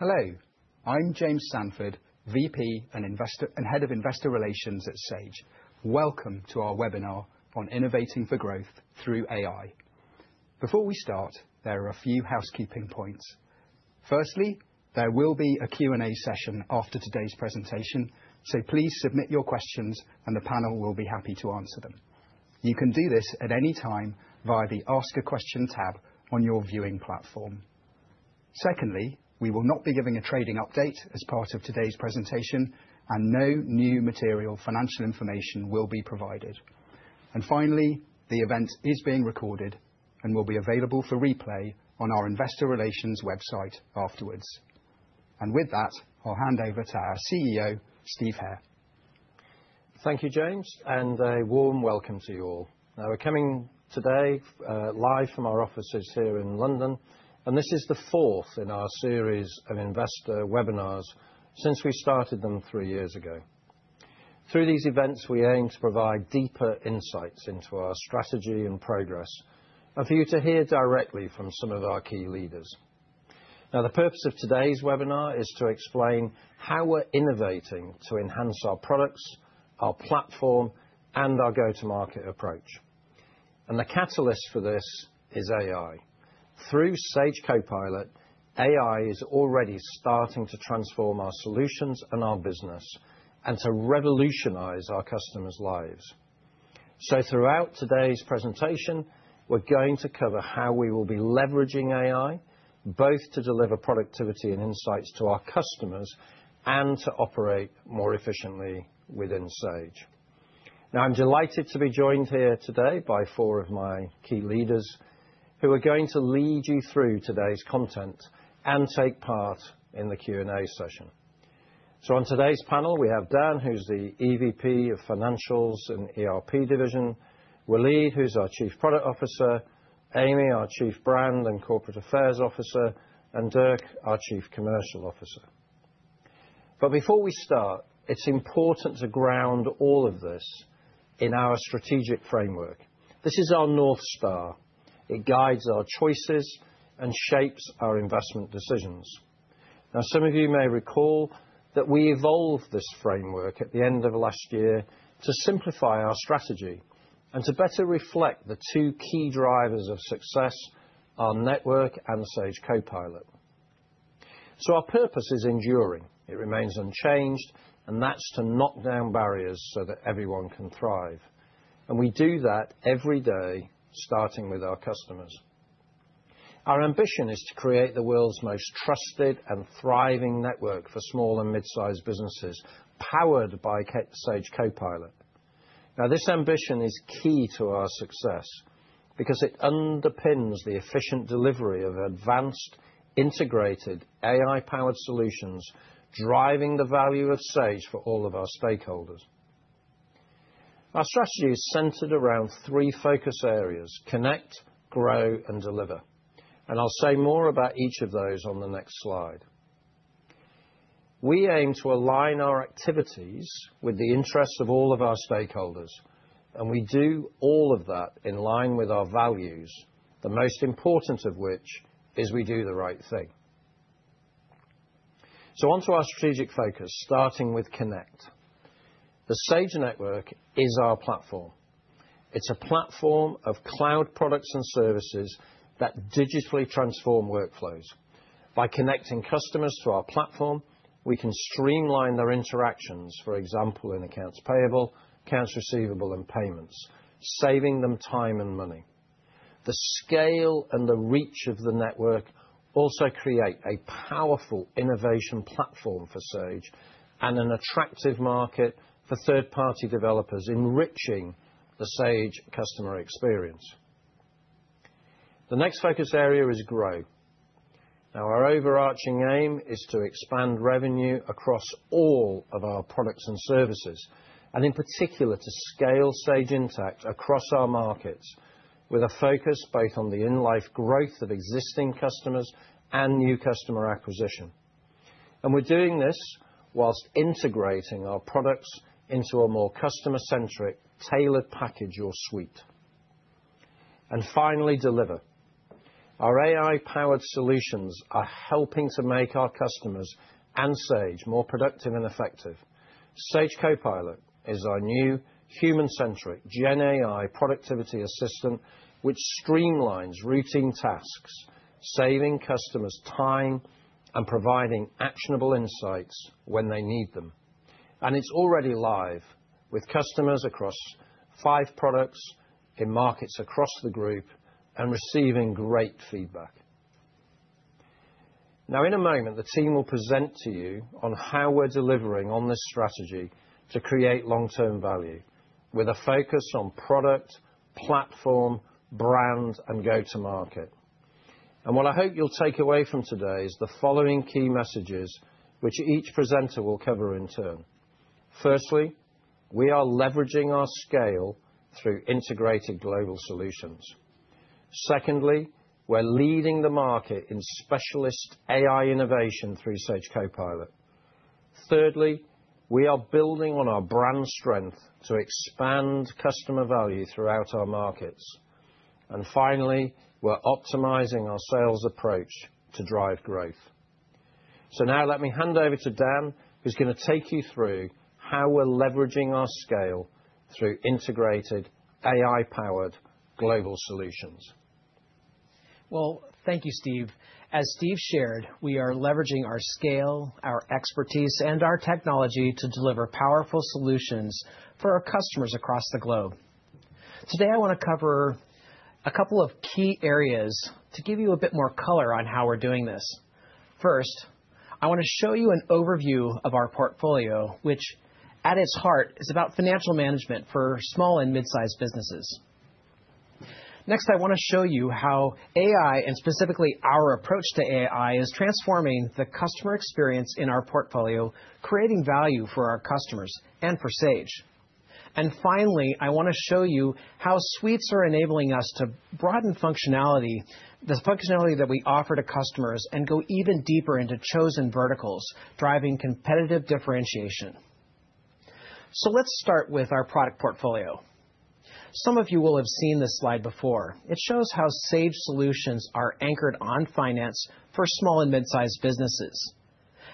Hello, I'm James Sandford, VP and Head of Investor Relations at Sage. Welcome to our webinar on innovating for growth through AI. Before we start, there are a few housekeeping points. Firstly, there will be a Q&A session after today's presentation, so please submit your questions, and the panel will be happy to answer them. You can do this at any time via the Ask a Question tab on your viewing platform. Secondly, we will not be giving a trading update as part of today's presentation, and no new material financial information will be provided. Finally, the event is being recorded and will be available for replay on our Investor Relations website afterwards. With that, I'll hand over to our CEO, Steve Hare. Thank you, James, and a warm welcome to you all. Now, we're coming today live from our offices here in London, and this is the fourth in our series of investor webinars since we started them three years ago. Through these events, we aim to provide deeper insights into our strategy and progress, and for you to hear directly from some of our key leaders. The purpose of today's webinar is to explain how we're innovating to enhance our products, our platform, and our go-to-market approach. The catalyst for this is AI. Through Sage Copilot, AI is already starting to transform our solutions and our business, and to revolutionize our customers' lives. Throughout today's presentation, we're going to cover how we will be leveraging AI, both to deliver productivity and insights to our customers, and to operate more efficiently within Sage. Now, I'm delighted to be joined here today by four of my key leaders who are going to lead you through today's content and take part in the Q&A session. On today's panel, we have Dan, who's the EVP of Financials and ERP Division; Walid, who's our Chief Product Officer; Amy, our Chief Brand and Corporate Affairs Officer; and Derk, our Chief Commercial Officer. Before we start, it's important to ground all of this in our strategic framework. This is our North Star. It guides our choices and shapes our investment decisions. Some of you may recall that we evolved this framework at the end of last year to simplify our strategy and to better reflect the two key drivers of success: our network and Sage Copilot. Our purpose is enduring. It remains unchanged, and that's to knock down barriers so that everyone can thrive. We do that every day, starting with our customers. Our ambition is to create the world's most trusted and thriving network for small and mid-sized businesses, powered by Sage Copilot. This ambition is key to our success because it underpins the efficient delivery of advanced, integrated, AI-powered solutions driving the value of Sage for all of our stakeholders. Our strategy is centered around three focus areas: connect, grow, and deliver. I'll say more about each of those on the next slide. We aim to align our activities with the interests of all of our stakeholders, and we do all of that in line with our values, the most important of which is we do the right thing. Onto our strategic focus, starting with connect. The Sage network is our platform. It's a platform of cloud products and services that digitally transform workflows. By connecting customers to our platform, we can streamline their interactions, for example, in accounts payable, accounts receivable, and payments, saving them time and money. The scale and the reach of the network also create a powerful innovation platform for Sage and an attractive market for third-party developers, enriching the Sage customer experience. The next focus area is grow. Our overarching aim is to expand revenue across all of our products and services, and in particular, to scale Sage Intacct across our markets with a focus both on the in-life growth of existing customers and new customer acquisition. We are doing this whilst integrating our products into a more customer-centric, tailored package or suite. Finally, deliver. Our AI-powered solutions are helping to make our customers and Sage more productive and effective. Sage Copilot is our new human-centric GenAI productivity assistant, which streamlines routine tasks, saving customers time and providing actionable insights when they need them. It is already live with customers across five products in markets across the group and receiving great feedback. In a moment, the team will present to you on how we are delivering on this strategy to create long-term value with a focus on product, platform, brand, and go-to-market. What I hope you will take away from today is the following key messages, which each presenter will cover in turn. Firstly, we are leveraging our scale through integrated global solutions. Secondly, we are leading the market in specialist AI innovation through Sage Copilot. Thirdly, we are building on our brand strength to expand customer value throughout our markets. Finally, we are optimizing our sales approach to drive growth. Now, let me hand over to Dan, who's going to take you through how we're leveraging our scale through integrated AI-powered global solutions. Thank you, Steve. As Steve shared, we are leveraging our scale, our expertise, and our technology to deliver powerful solutions for our customers across the globe. Today, I want to cover a couple of key areas to give you a bit more color on how we're doing this. First, I want to show you an overview of our portfolio, which at its heart is about financial management for small and mid-sized businesses. Next, I want to show you how AI, and specifically our approach to AI, is transforming the customer experience in our portfolio, creating value for our customers and for Sage. Finally, I want to show you how suites are enabling us to broaden functionality, the functionality that we offer to customers, and go even deeper into chosen verticals, driving competitive differentiation. Let's start with our product portfolio. Some of you will have seen this slide before. It shows how Sage solutions are anchored on finance for small and mid-sized businesses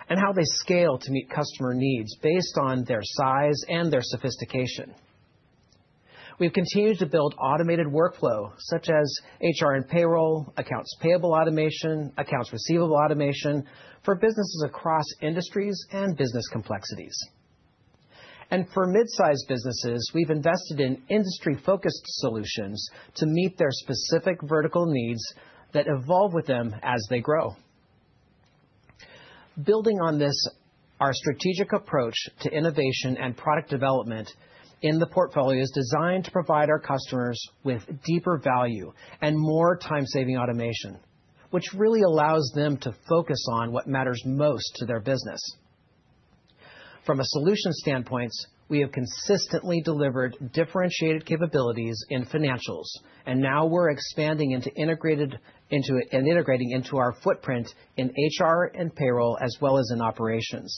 and how they scale to meet customer needs based on their size and their sophistication. We've continued to build automated workflow, such as HR and payroll, accounts payable automation, accounts receivable automation for businesses across industries and business complexities. For mid-sized businesses, we've invested in industry-focused solutions to meet their specific vertical needs that evolve with them as they grow. Building on this, our strategic approach to innovation and product development in the portfolio is designed to provide our customers with deeper value and more time-saving automation, which really allows them to focus on what matters most to their business. From a solution standpoint, we have consistently delivered differentiated capabilities in financials, and now we're expanding into integrating into our footprint in HR and payroll, as well as in operations.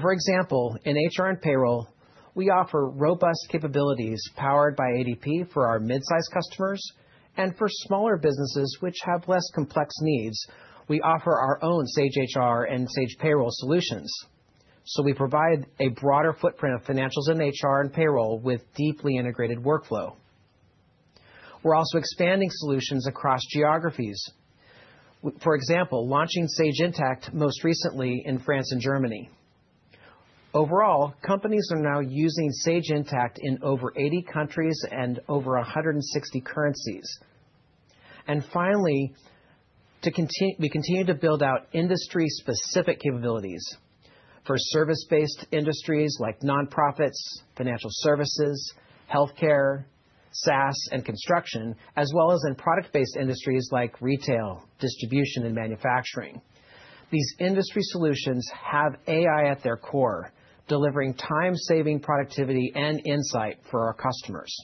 For example, in HR and payroll, we offer robust capabilities powered by ADP for our mid-sized customers. For smaller businesses, which have less complex needs, we offer our own Sage HR and Sage Payroll solutions. We provide a broader footprint of financials in HR and payroll with deeply integrated workflow. We're also expanding solutions across geographies, for example, launching Sage Intacct most recently in France and Germany. Overall, companies are now using Sage Intacct in over 80 countries and over 160 currencies. Finally, we continue to build out industry-specific capabilities for service-based industries like nonprofits, financial services, healthcare, SaaS, and construction, as well as in product-based industries like retail, distribution, and manufacturing. These industry solutions have AI at their core, delivering time-saving productivity and insight for our customers.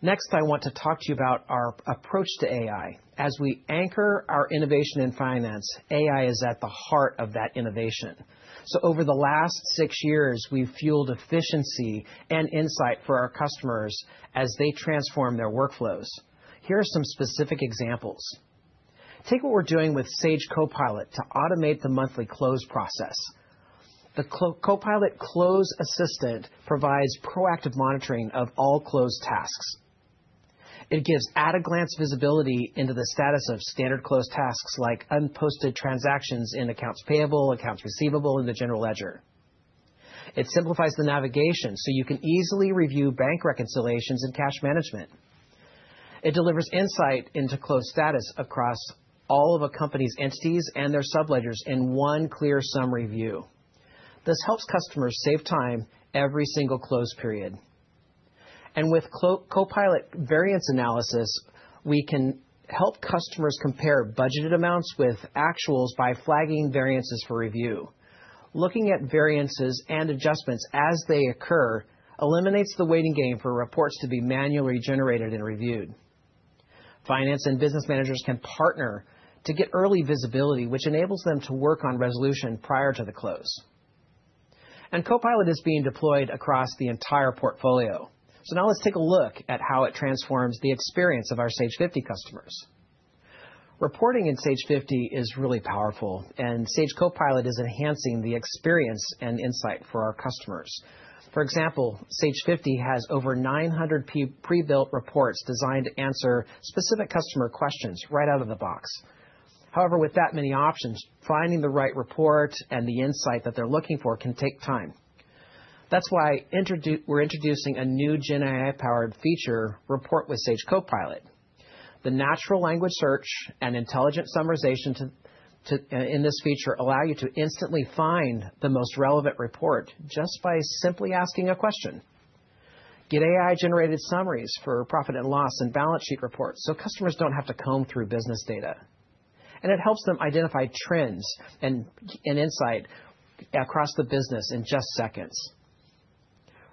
Next, I want to talk to you about our approach to AI. As we anchor our innovation in finance, AI is at the heart of that innovation. Over the last six years, we've fueled efficiency and insight for our customers as they transform their workflows. Here are some specific examples. Take what we're doing with Sage Copilot to automate the monthly close process. The Copilot Close Assistant provides proactive monitoring of all close tasks. It gives at-a-glance visibility into the status of standard close tasks like unposted transactions in accounts payable, accounts receivable, and the general ledger. It simplifies the navigation so you can easily review bank reconciliations and cash management. It delivers insight into close status across all of a company's entities and their sub-ledgers in one clear summary view. This helps customers save time every single close period. With Copilot variance analysis, we can help customers compare budgeted amounts with actuals by flagging variances for review. Looking at variances and adjustments as they occur eliminates the waiting game for reports to be manually generated and reviewed. Finance and business managers can partner to get early visibility, which enables them to work on resolution prior to the close. Copilot is being deployed across the entire portfolio. Now, let's take a look at how it transforms the experience of our Sage 50 customers. Reporting in Sage 50 is really powerful, and Sage Copilot is enhancing the experience and insight for our customers. For example, Sage 50 has over 900 pre-built reports designed to answer specific customer questions right out of the box. However, with that many options, finding the right report and the insight that they're looking for can take time. That's why we're introducing a new GenAI-powered feature, Report with Sage Copilot. The natural language search and intelligent summarization in this feature allow you to instantly find the most relevant report just by simply asking a question. Get AI-generated summaries for profit and loss and balance sheet reports so customers don't have to comb through business data. It helps them identify trends and insight across the business in just seconds.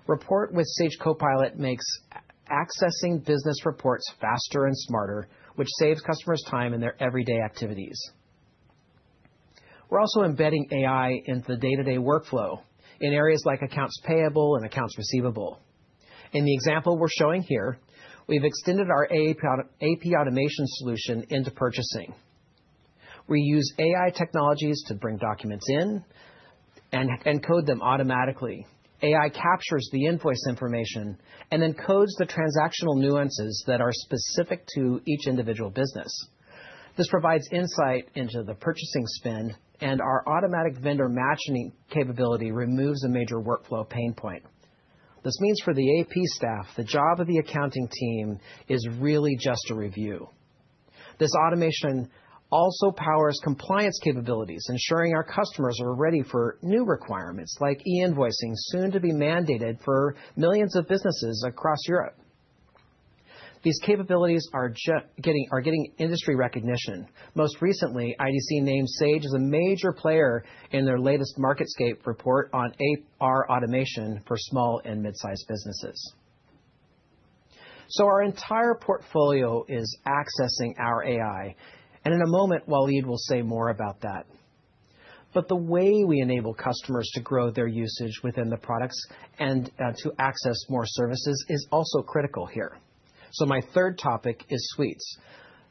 Report with Sage Copilot makes accessing business reports faster and smarter, which saves customers time in their everyday activities. We're also embedding AI into the day-to-day workflow in areas like accounts payable and accounts receivable. In the example we're showing here, we've extended our AP automation solution into purchasing. We use AI technologies to bring documents in and encode them automatically. AI captures the invoice information and encodes the transactional nuances that are specific to each individual business. This provides insight into the purchasing spend, and our automatic vendor matching capability removes a major workflow pain point. This means for the AP staff, the job of the accounting team is really just a review. This automation also powers compliance capabilities, ensuring our customers are ready for new requirements like e-invoicing soon to be mandated for millions of businesses across Europe. These capabilities are getting industry recognition. Most recently, IDC named Sage as a major player in their latest MarketScape report on AR automation for small and mid-sized businesses. Our entire portfolio is accessing our AI, and in a moment, Walid will say more about that. The way we enable customers to grow their usage within the products and to access more services is also critical here. My third topic is suites.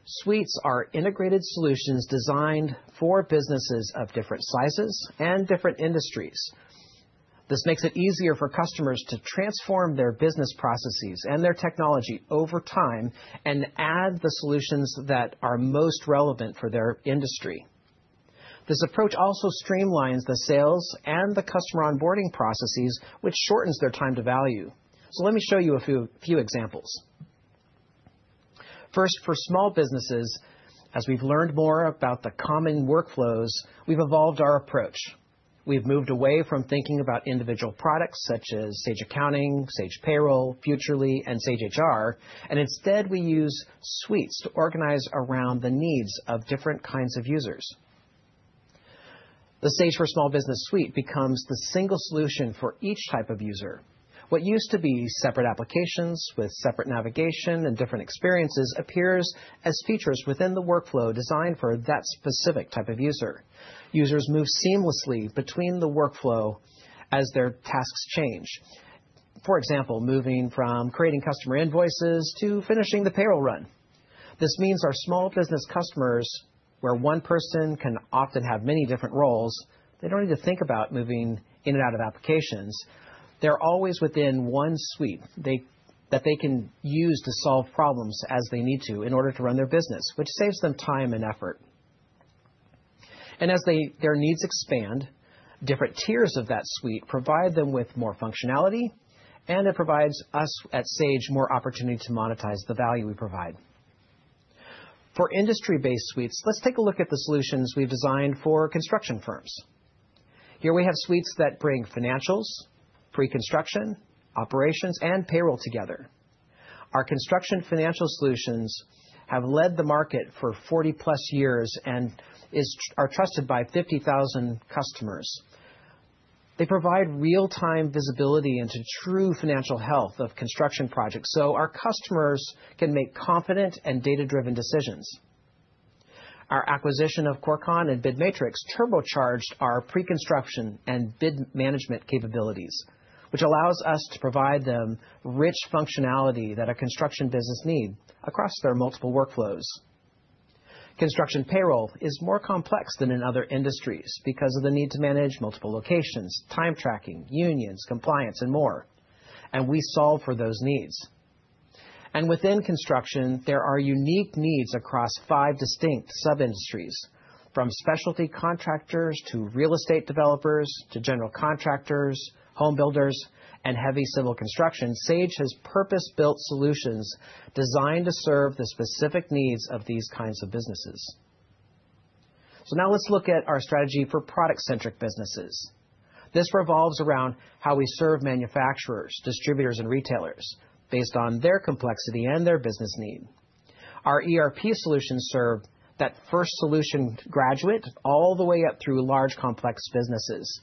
Suites are integrated solutions designed for businesses of different sizes and different industries. This makes it easier for customers to transform their business processes and their technology over time and add the solutions that are most relevant for their industry. This approach also streamlines the sales and the customer onboarding processes, which shortens their time to value. Let me show you a few examples. First, for small businesses, as we've learned more about the common workflows, we've evolved our approach. We've moved away from thinking about individual products such as Sage Accounting, Sage Payroll, Futrli, and Sage HR, and instead, we use suites to organize around the needs of different kinds of users. The Sage for Small Business suite becomes the single solution for each type of user. What used to be separate applications with separate navigation and different experiences appears as features within the workflow designed for that specific type of user. Users move seamlessly between the workflow as their tasks change, for example, moving from creating customer invoices to finishing the payroll run. This means our small business customers, where one person can often have many different roles, they don't need to think about moving in and out of applications. They're always within one suite that they can use to solve problems as they need to in order to run their business, which saves them time and effort. As their needs expand, different tiers of that suite provide them with more functionality, and it provides us at Sage more opportunity to monetize the value we provide. For industry-based suites, let's take a look at the solutions we've designed for construction firms. Here we have suites that bring financials, pre-construction, operations, and payroll together. Our construction financial solutions have led the market for 40-plus years and are trusted by 50,000 customers. They provide real-time visibility into true financial health of construction projects so our customers can make confident and data-driven decisions. Our acquisition of QuarkON and BidMatrix turbocharged our pre-construction and bid management capabilities, which allows us to provide them rich functionality that a construction business needs across their multiple workflows. Construction payroll is more complex than in other industries because of the need to manage multiple locations, time tracking, unions, compliance, and more. We solve for those needs. Within construction, there are unique needs across five distinct sub-industries. From specialty contractors to real estate developers to general contractors, home builders, and heavy civil construction, Sage has purpose-built solutions designed to serve the specific needs of these kinds of businesses. Now, let's look at our strategy for product-centric businesses. This revolves around how we serve manufacturers, distributors, and retailers based on their complexity and their business need. Our ERP solutions serve that first solution graduate all the way up through large complex businesses.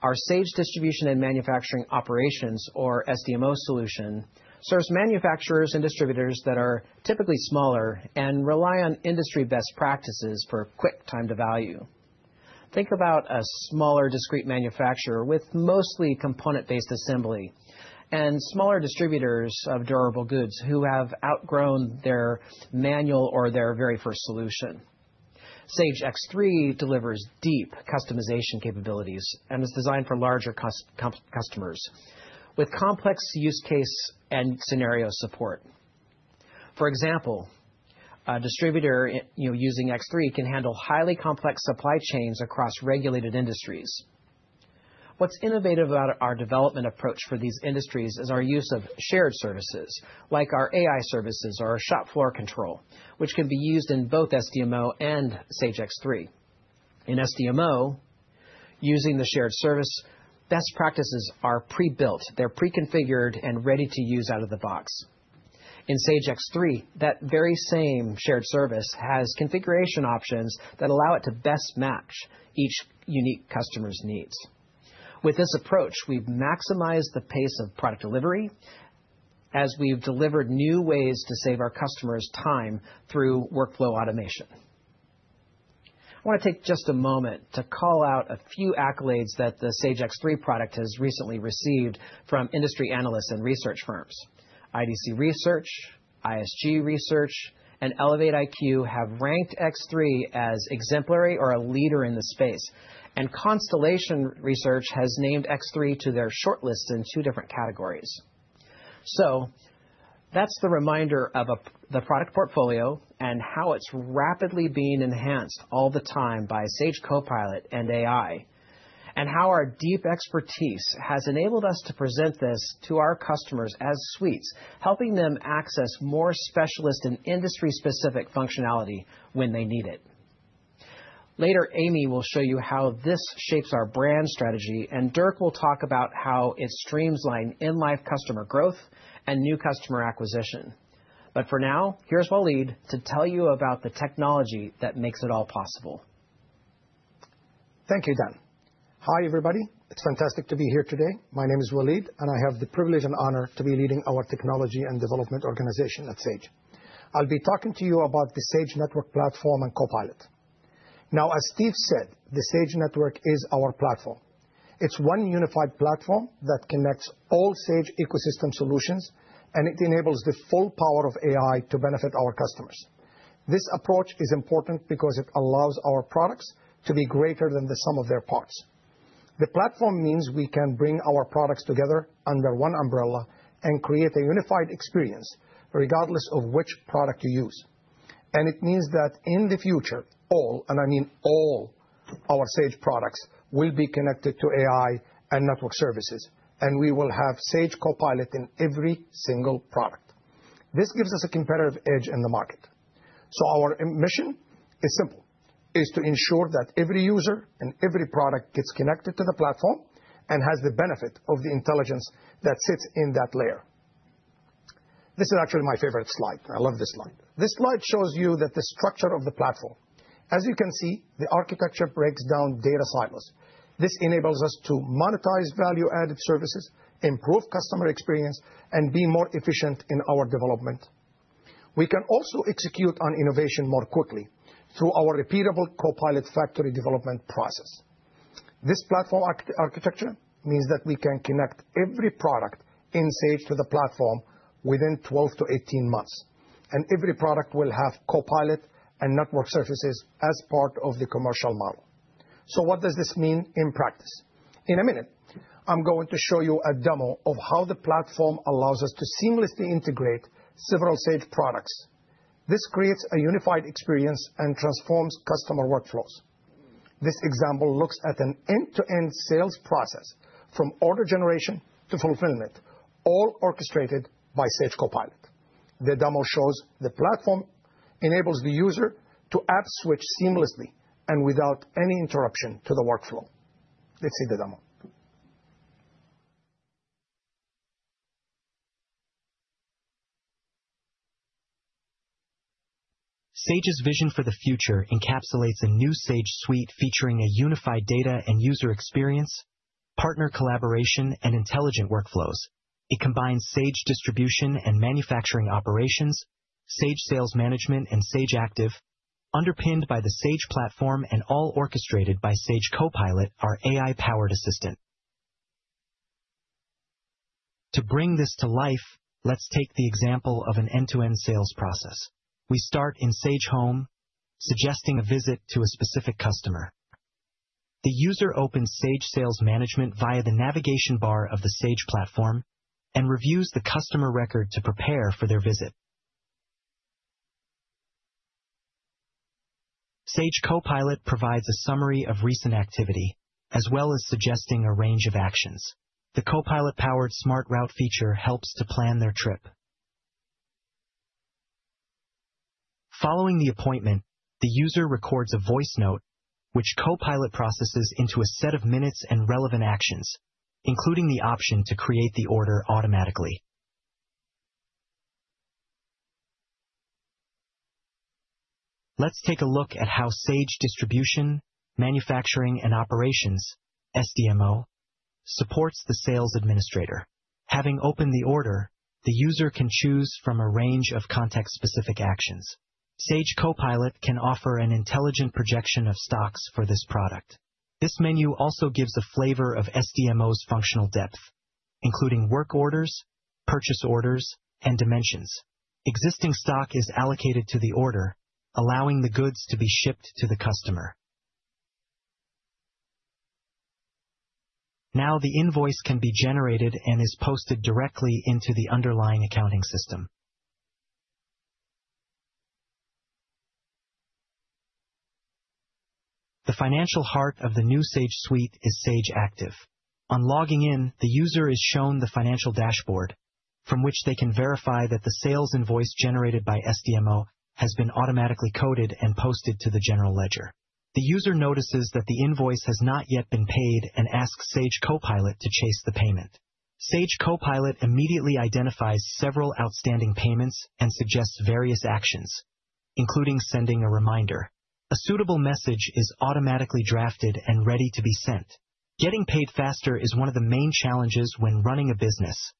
Our Sage Distribution and Manufacturing Operations, or SDMO, solution serves manufacturers and distributors that are typically smaller and rely on industry best practices for quick time to value. Think about a smaller discrete manufacturer with mostly component-based assembly and smaller distributors of durable goods who have outgrown their manual or their very first solution. Sage X3 delivers deep customization capabilities and is designed for larger customers with complex use case and scenario support. For example, a distributor using Sage X3 can handle highly complex supply chains across regulated industries. What's innovative about our development approach for these industries is our use of shared services like our AI services or our shop floor control, which can be used in both Sage Distribution and Manufacturing Operations and Sage X3. In Sage Distribution and Manufacturing Operations, using the shared service, best practices are pre-built. They're pre-configured and ready to use out of the box. In Sage X3, that very same shared service has configuration options that allow it to best match each unique customer's needs. With this approach, we've maximized the pace of product delivery as we've delivered new ways to save our customers time through workflow automation. I want to take just a moment to call out a few accolades that the Sage X3 product has recently received from industry analysts and research firms. IDC Research, ISG Research, and Elevate IQ have ranked X3 as exemplary or a leader in the space, and Constellation Research has named X3 to their shortlist in two different categories. That is the reminder of the product portfolio and how it's rapidly being enhanced all the time by Sage Copilot and AI, and how our deep expertise has enabled us to present this to our customers as suites, helping them access more specialist and industry-specific functionality when they need it. Later, Amy will show you how this shapes our brand strategy, and Derk will talk about how it streamlines in-life customer growth and new customer acquisition. For now, here's Walid to tell you about the technology that makes it all possible. Thank you, Dan. Hi, everybody. It's fantastic to be here today. My name is Walid, and I have the privilege and honor to be leading our technology and development organization at Sage. I'll be talking to you about the Sage Network platform and Copilot. Now, as Steve said, the Sage Network is our platform. It's one unified platform that connects all Sage ecosystem solutions, and it enables the full power of AI to benefit our customers. This approach is important because it allows our products to be greater than the sum of their parts. The platform means we can bring our products together under one umbrella and create a unified experience regardless of which product you use. It means that in the future, all, and I mean all, our Sage products will be connected to AI and network services, and we will have Sage Copilot in every single product. This gives us a competitive edge in the market. Our mission is simple: it is to ensure that every user and every product gets connected to the platform and has the benefit of the intelligence that sits in that layer. This is actually my favorite slide. I love this slide. This slide shows you the structure of the platform. As you can see, the architecture breaks down data silos. This enables us to monetize value-added services, improve customer experience, and be more efficient in our development. We can also execute on innovation more quickly through our repeatable Copilot factory development process. This platform architecture means that we can connect every product in Sage to the platform within 12-18 months, and every product will have Copilot and network services as part of the commercial model. What does this mean in practice? In a minute, I'm going to show you a demo of how the platform allows us to seamlessly integrate several Sage products. This creates a unified experience and transforms customer workflows. This example looks at an end-to-end sales process from order generation to fulfillment, all orchestrated by Sage Copilot. The demo shows the platform enables the user to app switch seamlessly and without any interruption to the workflow. Let's see the demo. Sage's vision for the future encapsulates a new Sage suite featuring a unified data and user experience, partner collaboration, and intelligent workflows. It combines Sage Distribution and Manufacturing Operations, Sage Sales Management, and Sage Active, underpinned by the Sage platform and all orchestrated by Sage Copilot, our AI-powered assistant. To bring this to life, let's take the example of an end-to-end sales process. We start in Sage Home, suggesting a visit to a specific customer. The user opens Sage Sales Management via the navigation bar of the Sage platform and reviews the customer record to prepare for their visit. Sage Copilot provides a summary of recent activity as well as suggesting a range of actions. The Copilot-powered smart route feature helps to plan their trip. Following the appointment, the user records a voice note, which Copilot processes into a set of minutes and relevant actions, including the option to create the order automatically. Let's take a look at how Sage Distribution and Manufacturing Operations (SDMO) supports the sales administrator. Having opened the order, the user can choose from a range of context-specific actions. Sage Copilot can offer an intelligent projection of stocks for this product. This menu also gives a flavor of SDMO's functional depth, including work orders, purchase orders, and dimensions. Existing stock is allocated to the order, allowing the goods to be shipped to the customer. Now, the invoice can be generated and is posted directly into the underlying accounting system. The financial heart of the new Sage suite is Sage Active. On logging in, the user is shown the financial dashboard, from which they can verify that the sales invoice generated by SDMO has been automatically coded and posted to the general ledger. The user notices that the invoice has not yet been paid and asks Sage Copilot to chase the payment. Sage Copilot immediately identifies several outstanding payments and suggests various actions, including sending a reminder. A suitable message is automatically drafted and ready to be sent. Getting paid faster is one of the main challenges when running a business.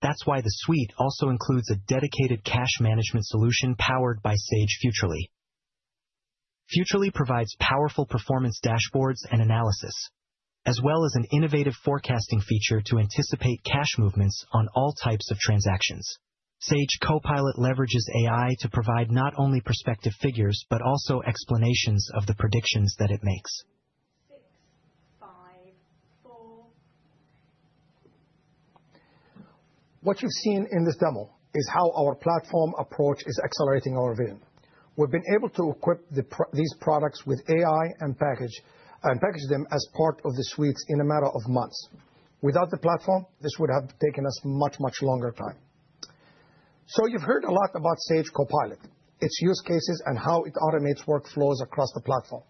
That's why the suite also includes a dedicated cash management solution powered by Sage Futrli. Futrli provides powerful performance dashboards and analysis, as well as an innovative forecasting feature to anticipate cash movements on all types of transactions. Sage Copilot leverages AI to provide not only perspective figures but also explanations of the predictions that it makes. What you've seen in this demo is how our platform approach is accelerating our vision. We've been able to equip these products with AI and package them as part of the suites in a matter of months. Without the platform, this would have taken us much, much longer time. You have heard a lot about Sage Copilot, its use cases, and how it automates workflows across the platform.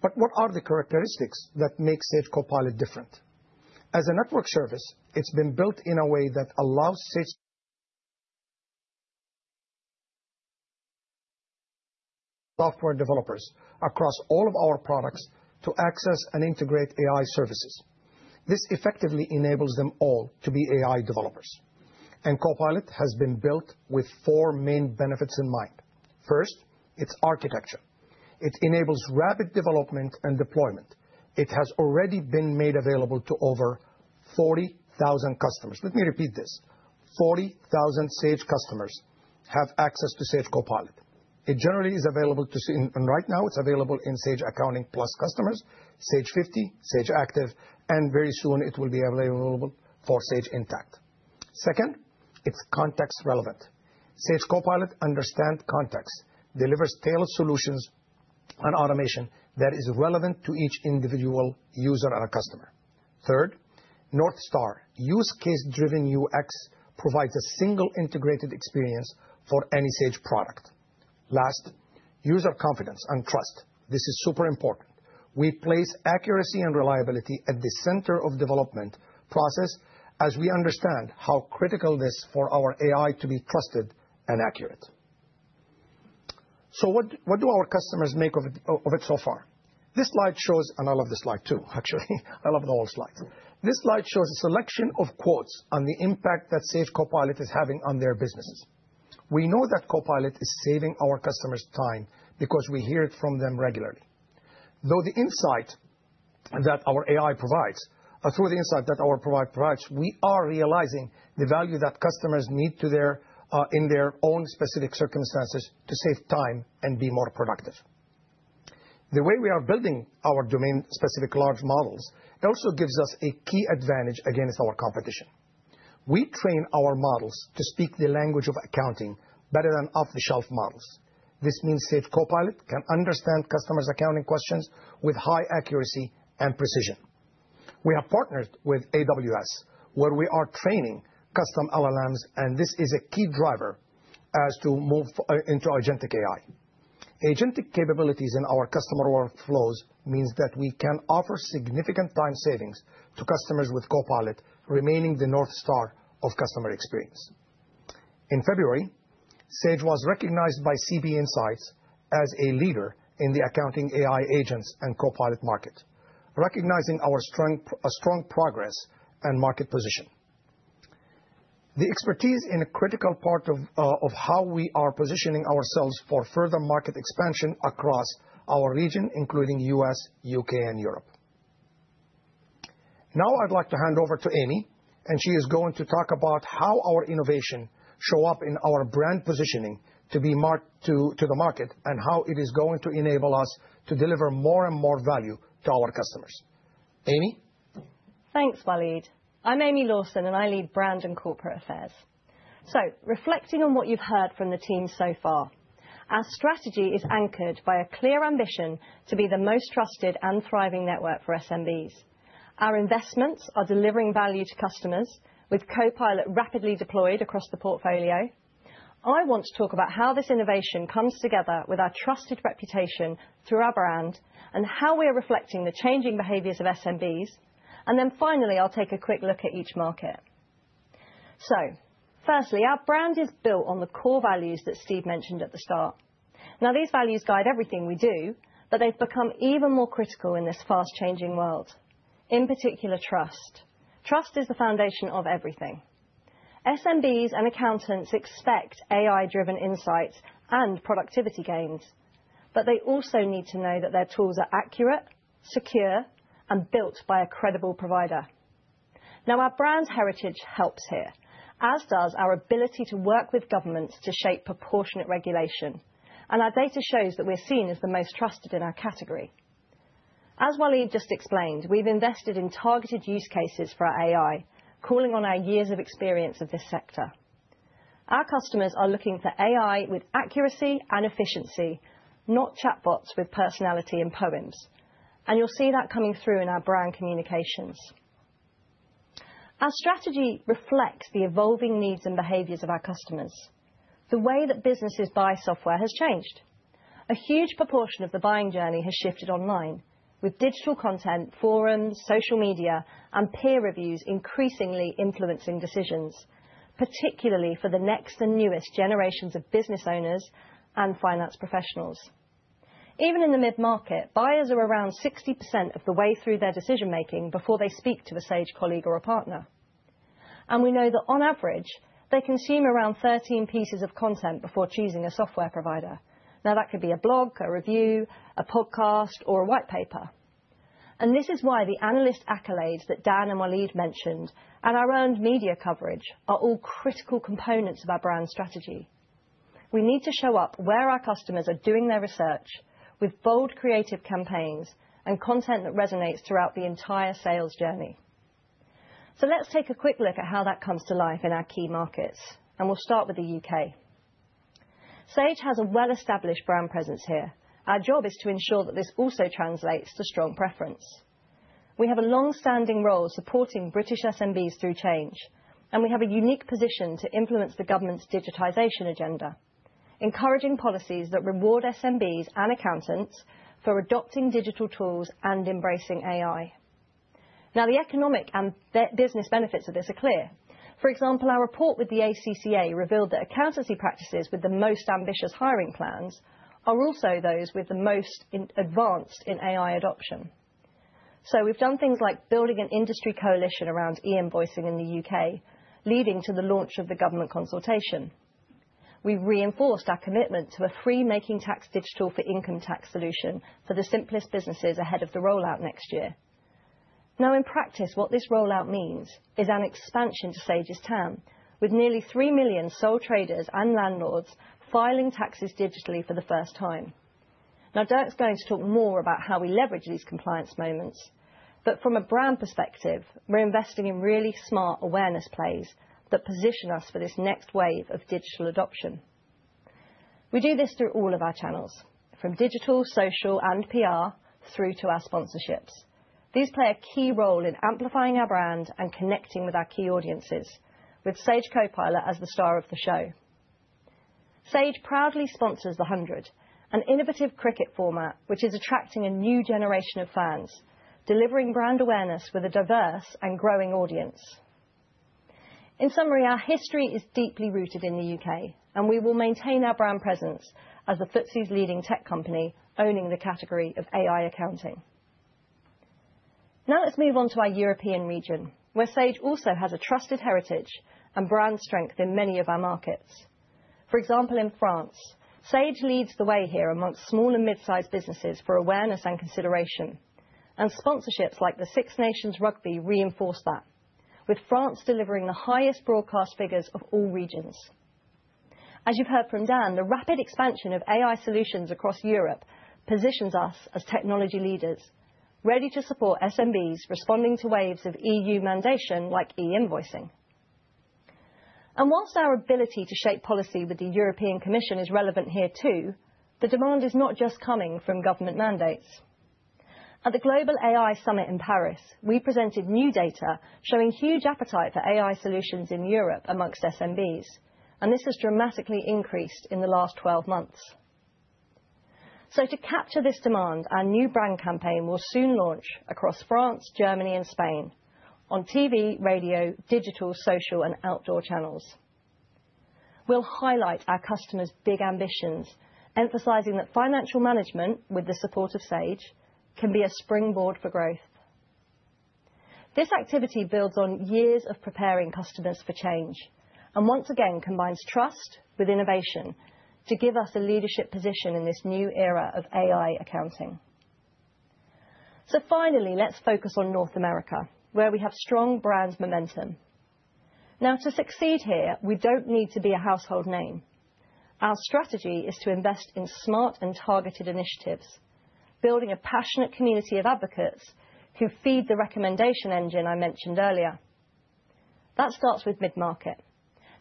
What are the characteristics that make Sage Copilot different? As a network service, it has been built in a way that allows software developers across all of our products to access and integrate AI services. This effectively enables them all to be AI developers. Copilot has been built with four main benefits in mind. First, its architecture. It enables rapid development and deployment. It has already been made available to over 40,000 customers. Let me repeat this: 40,000 Sage customers have access to Sage Copilot. It generally is available to see, and right now, it is available in Sage Accounting Plus customers, Sage 50, Sage Active, and very soon, it will be available for Sage Intacct. Second, it is context-relevant. Sage Copilot understands context, delivers tailored solutions and automation that is relevant to each individual user or customer. Third, Northstar Use Case Driven UX provides a single integrated experience for any Sage product. Last, user confidence and trust. This is super important. We place accuracy and reliability at the center of the development process as we understand how critical it is for our AI to be trusted and accurate. What do our customers make of it so far? This slide shows, and I love this slide too, actually. I love the whole slide. This slide shows a selection of quotes on the impact that Sage Copilot is having on their businesses. We know that Copilot is saving our customers time because we hear it from them regularly. Through the insight that our AI provides, through the insight that our product provides, we are realizing the value that customers need in their own specific circumstances to save time and be more productive. The way we are building our domain-specific large models also gives us a key advantage against our competition. We train our models to speak the language of accounting better than off-the-shelf models. This means Sage Copilot can understand customers' accounting questions with high accuracy and precision. We have partnered with AWS, where we are training custom LLMs, and this is a key driver as to move into agentic AI. Agentic capabilities in our customer workflows mean that we can offer significant time savings to customers with Copilot remaining the Northstar of customer experience. In February, Sage was recognized by CB Insights as a leader in the accounting AI agents and Copilot market, recognizing our strong progress and market position. The expertise is a critical part of how we are positioning ourselves for further market expansion across our region, including the U.S., U.K., and Europe. Now, I'd like to hand over to Amy, and she is going to talk about how our innovations show up in our brand positioning to be marked to the market and how it is going to enable us to deliver more and more value to our customers. Amy? Thanks, Walid. I'm Amy Lawson, and I lead brand and corporate affairs. Reflecting on what you've heard from the team so far, our strategy is anchored by a clear ambition to be the most trusted and thriving network for SMBs. Our investments are delivering value to customers, with Copilot rapidly deployed across the portfolio. I want to talk about how this innovation comes together with our trusted reputation through our brand and how we are reflecting the changing behaviors of SMBs. Finally, I'll take a quick look at each market. Firstly, our brand is built on the core values that Steve mentioned at the start. These values guide everything we do, but they've become even more critical in this fast-changing world, in particular trust. Trust is the foundation of everything. SMBs and accountants expect AI-driven insights and productivity gains, but they also need to know that their tools are accurate, secure, and built by a credible provider. Our brand heritage helps here, as does our ability to work with governments to shape proportionate regulation. Our data shows that we're seen as the most trusted in our category. As Walid just explained, we've invested in targeted use cases for our AI, calling on our years of experience in this sector. Our customers are looking for AI with accuracy and efficiency, not chatbots with personality and poems. You'll see that coming through in our brand communications. Our strategy reflects the evolving needs and behaviors of our customers. The way that businesses buy software has changed. A huge proportion of the buying journey has shifted online, with digital content, forums, social media, and peer reviews increasingly influencing decisions, particularly for the next and newest generations of business owners and finance professionals. Even in the mid-market, buyers are around 60% of the way through their decision-making before they speak to a Sage colleague or a partner. We know that, on average, they consume around 13 pieces of content before choosing a software provider. Now, that could be a blog, a review, a podcast, or a white paper. This is why the analyst accolades that Dan and Walid mentioned and our own media coverage are all critical components of our brand strategy. We need to show up where our customers are doing their research with bold, creative campaigns and content that resonates throughout the entire sales journey. Let's take a quick look at how that comes to life in our key markets. We'll start with the U.K. Sage has a well-established brand presence here. Our job is to ensure that this also translates to strong preference. We have a long-standing role supporting British SMBs through change, and we have a unique position to influence the government's digitization agenda, encouraging policies that reward SMBs and accountants for adopting digital tools and embracing AI. Now, the economic and business benefits of this are clear. For example, our report with the ACCA revealed that accountancy practices with the most ambitious hiring plans are also those with the most advanced in AI adoption. We've done things like building an industry coalition around e-invoicing in the U.K., leading to the launch of the government consultation. We've reinforced our commitment to a free Making Tax Digital for income tax solution for the simplest businesses ahead of the rollout next year. In practice, what this rollout means is an expansion to Sage's TAM, with nearly 3 million sole traders and landlords filing taxes digitally for the first time. Derk's going to talk more about how we leverage these compliance moments. From a brand perspective, we're investing in really smart awareness plays that position us for this next wave of digital adoption. We do this through all of our channels, from digital, social, and PR, through to our sponsorships. These play a key role in amplifying our brand and connecting with our key audiences, with Sage Copilot as the star of the show. Sage proudly sponsors The 100, an innovative cricket format which is attracting a new generation of fans, delivering brand awareness with a diverse and growing audience. In summary, our history is deeply rooted in the U.K., and we will maintain our brand presence as the FTSE's leading tech company owning the category of AI accounting. Now, let's move on to our European region, where Sage also has a trusted heritage and brand strength in many of our markets. For example, in France, Sage leads the way here amongst small and mid-sized businesses for awareness and consideration. Sponsorships like the Six Nations Rugby reinforce that, with France delivering the highest broadcast figures of all regions. As you've heard from Dan, the rapid expansion of AI solutions across Europe positions us as technology leaders, ready to support SMBs responding to waves of EU mandation like e-invoicing. Whilst our ability to shape policy with the European Commission is relevant here too, the demand is not just coming from government mandates. At the Global AI Summit in Paris, we presented new data showing huge appetite for AI solutions in Europe amongst SMBs, and this has dramatically increased in the last 12 months. To capture this demand, our new brand campaign will soon launch across France, Germany, and Spain on TV, radio, digital, social, and outdoor channels. We'll highlight our customers' big ambitions, emphasizing that financial management, with the support of Sage, can be a springboard for growth. This activity builds on years of preparing customers for change and once again combines trust with innovation to give us a leadership position in this new era of AI accounting. Finally, let's focus on North America, where we have strong brand momentum. Now, to succeed here, we do not need to be a household name. Our strategy is to invest in smart and targeted initiatives, building a passionate community of advocates who feed the recommendation engine I mentioned earlier. That starts with mid-market,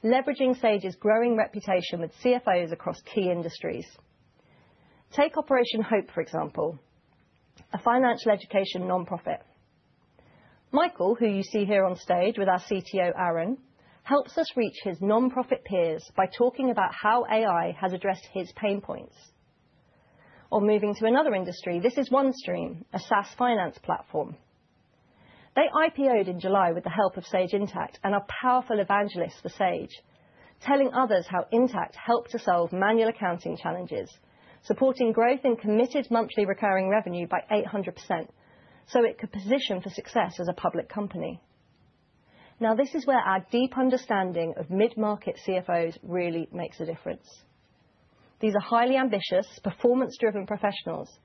leveraging Sage's growing reputation with CFOs across key industries. Take Operation Hope, for example, a financial education nonprofit. Michael, who you see here on stage with our CTO, Aaron, helps us reach his nonprofit peers by talking about how AI has addressed his pain points. Moving to another industry, this is OneStream, a SaaS finance platform. They IPO'd in July with the help of Sage Intacct and are powerful evangelists for Sage, telling others how Intacct helped to solve manual accounting challenges, supporting growth and committed monthly recurring revenue by 800% so it could position for success as a public company. Now, this is where our deep understanding of mid-market CFOs really makes a difference. These are highly ambitious, performance-driven professionals,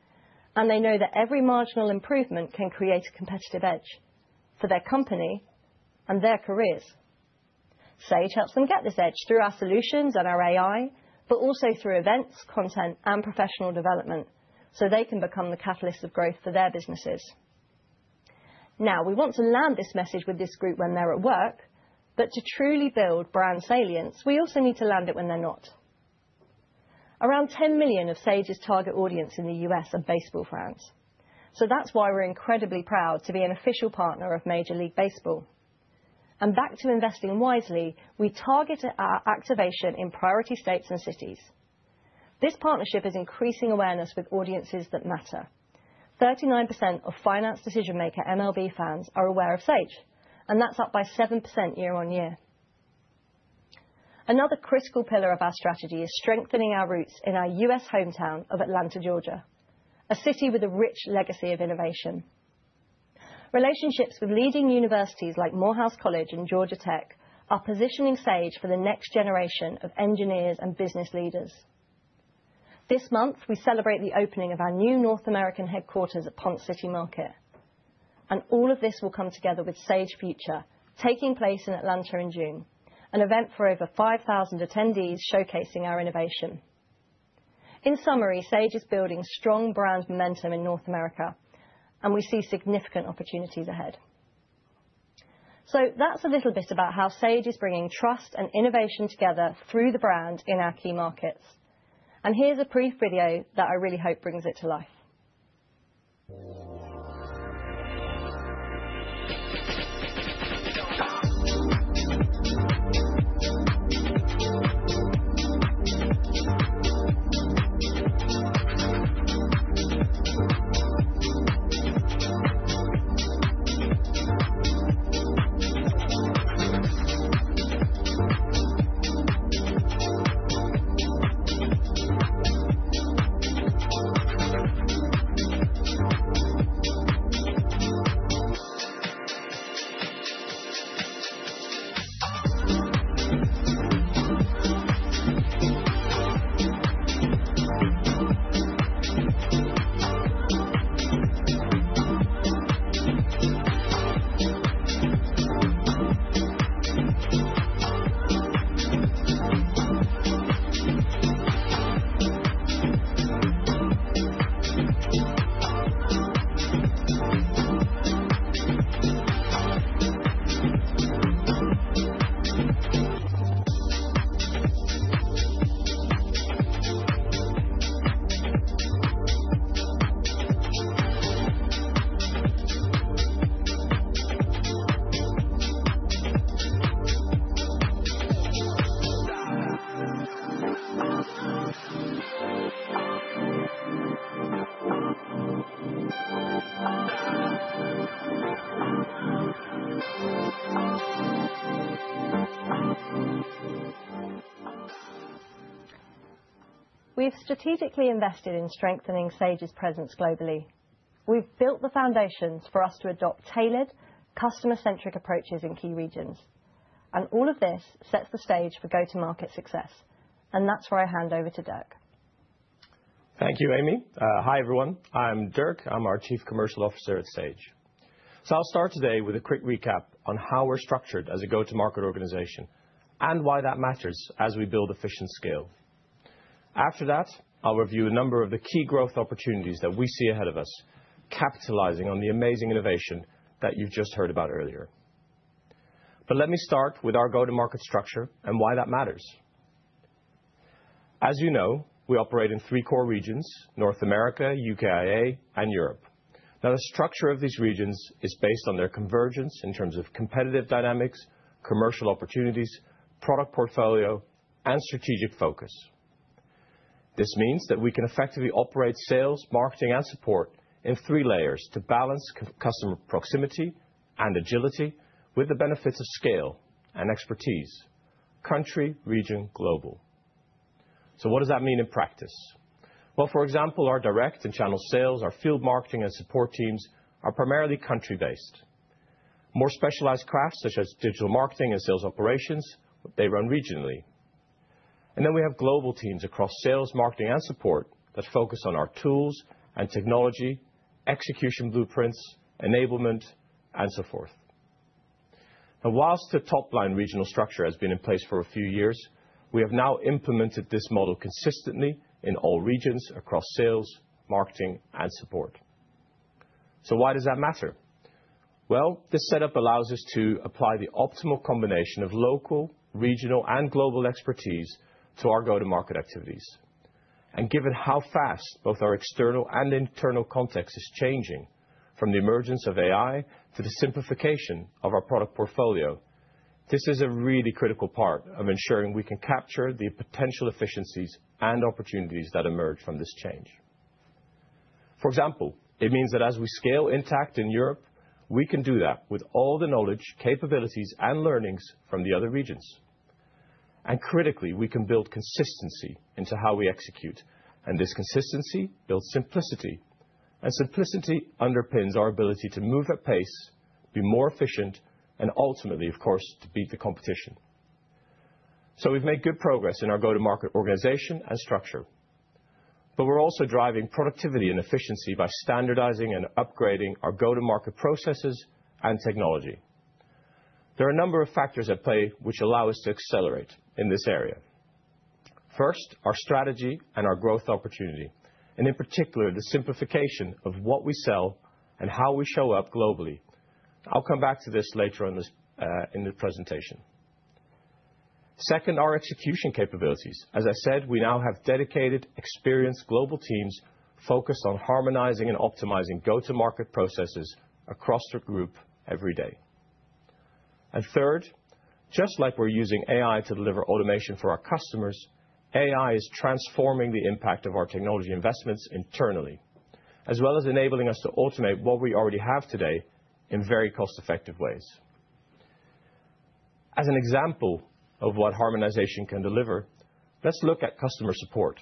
and they know that every marginal improvement can create a competitive edge for their company and their careers. Sage helps them get this edge through our solutions and our AI, but also through events, content, and professional development so they can become the catalyst of growth for their businesses. Now, we want to land this message with this group when they're at work, but to truly build brand salience, we also need to land it when they're not. Around 10 million of Sage's target audience in the U.S. are baseball fans. That is why we're incredibly proud to be an official partner of Major League Baseball. Back to investing wisely, we target our activation in priority states and cities. This partnership is increasing awareness with audiences that matter. 39% of finance decision-maker MLB fans are aware of Sage, and that's up by 7% year on year. Another critical pillar of our strategy is strengthening our roots in our U.S. hometown of Atlanta, Georgia, a city with a rich legacy of innovation. Relationships with leading universities like Morehouse College and Georgia Tech are positioning Sage for the next generation of engineers and business leaders. This month, we celebrate the opening of our new North American headquarters at Ponce City Market. All of this will come together with Sage Future, taking place in Atlanta in June, an event for over 5,000 attendees showcasing our innovation. In summary, Sage is building strong brand momentum in North America, and we see significant opportunities ahead. That's a little bit about how Sage is bringing trust and innovation together through the brand in our key markets. Here's a brief video that I really hope brings it to life. We've strategically invested in strengthening Sage's presence globally. We've built the foundations for us to adopt tailored, customer-centric approaches in key regions. All of this sets the stage for go-to-market success. That's where I hand over to Derk. Thank you, Amy. Hi, everyone. I'm Derk. I'm our Chief Commercial Officer at Sage. I'll start today with a quick recap on how we're structured as a go-to-market organization and why that matters as we build efficient scale. After that, I'll review a number of the key growth opportunities that we see ahead of us, capitalizing on the amazing innovation that you've just heard about earlier. Let me start with our go-to-market structure and why that matters. As you know, we operate in three core regions: North America, UKIA, and Europe. Now, the structure of these regions is based on their convergence in terms of competitive dynamics, commercial opportunities, product portfolio, and strategic focus. This means that we can effectively operate sales, marketing, and support in three layers to balance customer proximity and agility with the benefits of scale and expertise: country, region, global. What does that mean in practice? For example, our direct and channel sales, our field marketing and support teams are primarily country-based. More specialized crafts, such as digital marketing and sales operations, they run regionally. Then we have global teams across sales, marketing, and support that focus on our tools and technology, execution blueprints, enablement, and so forth. Now, whilst the top-line regional structure has been in place for a few years, we have now implemented this model consistently in all regions across sales, marketing, and support. Why does that matter? This setup allows us to apply the optimal combination of local, regional, and global expertise to our go-to-market activities. Given how fast both our external and internal context is changing, from the emergence of AI to the simplification of our product portfolio, this is a really critical part of ensuring we can capture the potential efficiencies and opportunities that emerge from this change. For example, it means that as we scale Intacct in Europe, we can do that with all the knowledge, capabilities, and learnings from the other regions. Critically, we can build consistency into how we execute. This consistency builds simplicity, and simplicity underpins our ability to move at pace, be more efficient, and ultimately, of course, to beat the competition. We have made good progress in our go-to-market organization and structure. We are also driving productivity and efficiency by standardizing and upgrading our go-to-market processes and technology. There are a number of factors at play which allow us to accelerate in this area. First, our strategy and our growth opportunity, and in particular, the simplification of what we sell and how we show up globally. I will come back to this later in the presentation. Second, our execution capabilities. As I said, we now have dedicated, experienced global teams focused on harmonizing and optimizing go-to-market processes across the group every day. Third, just like we are using AI to deliver automation for our customers, AI is transforming the impact of our technology investments internally, as well as enabling us to automate what we already have today in very cost-effective ways. As an example of what harmonization can deliver, let's look at customer support.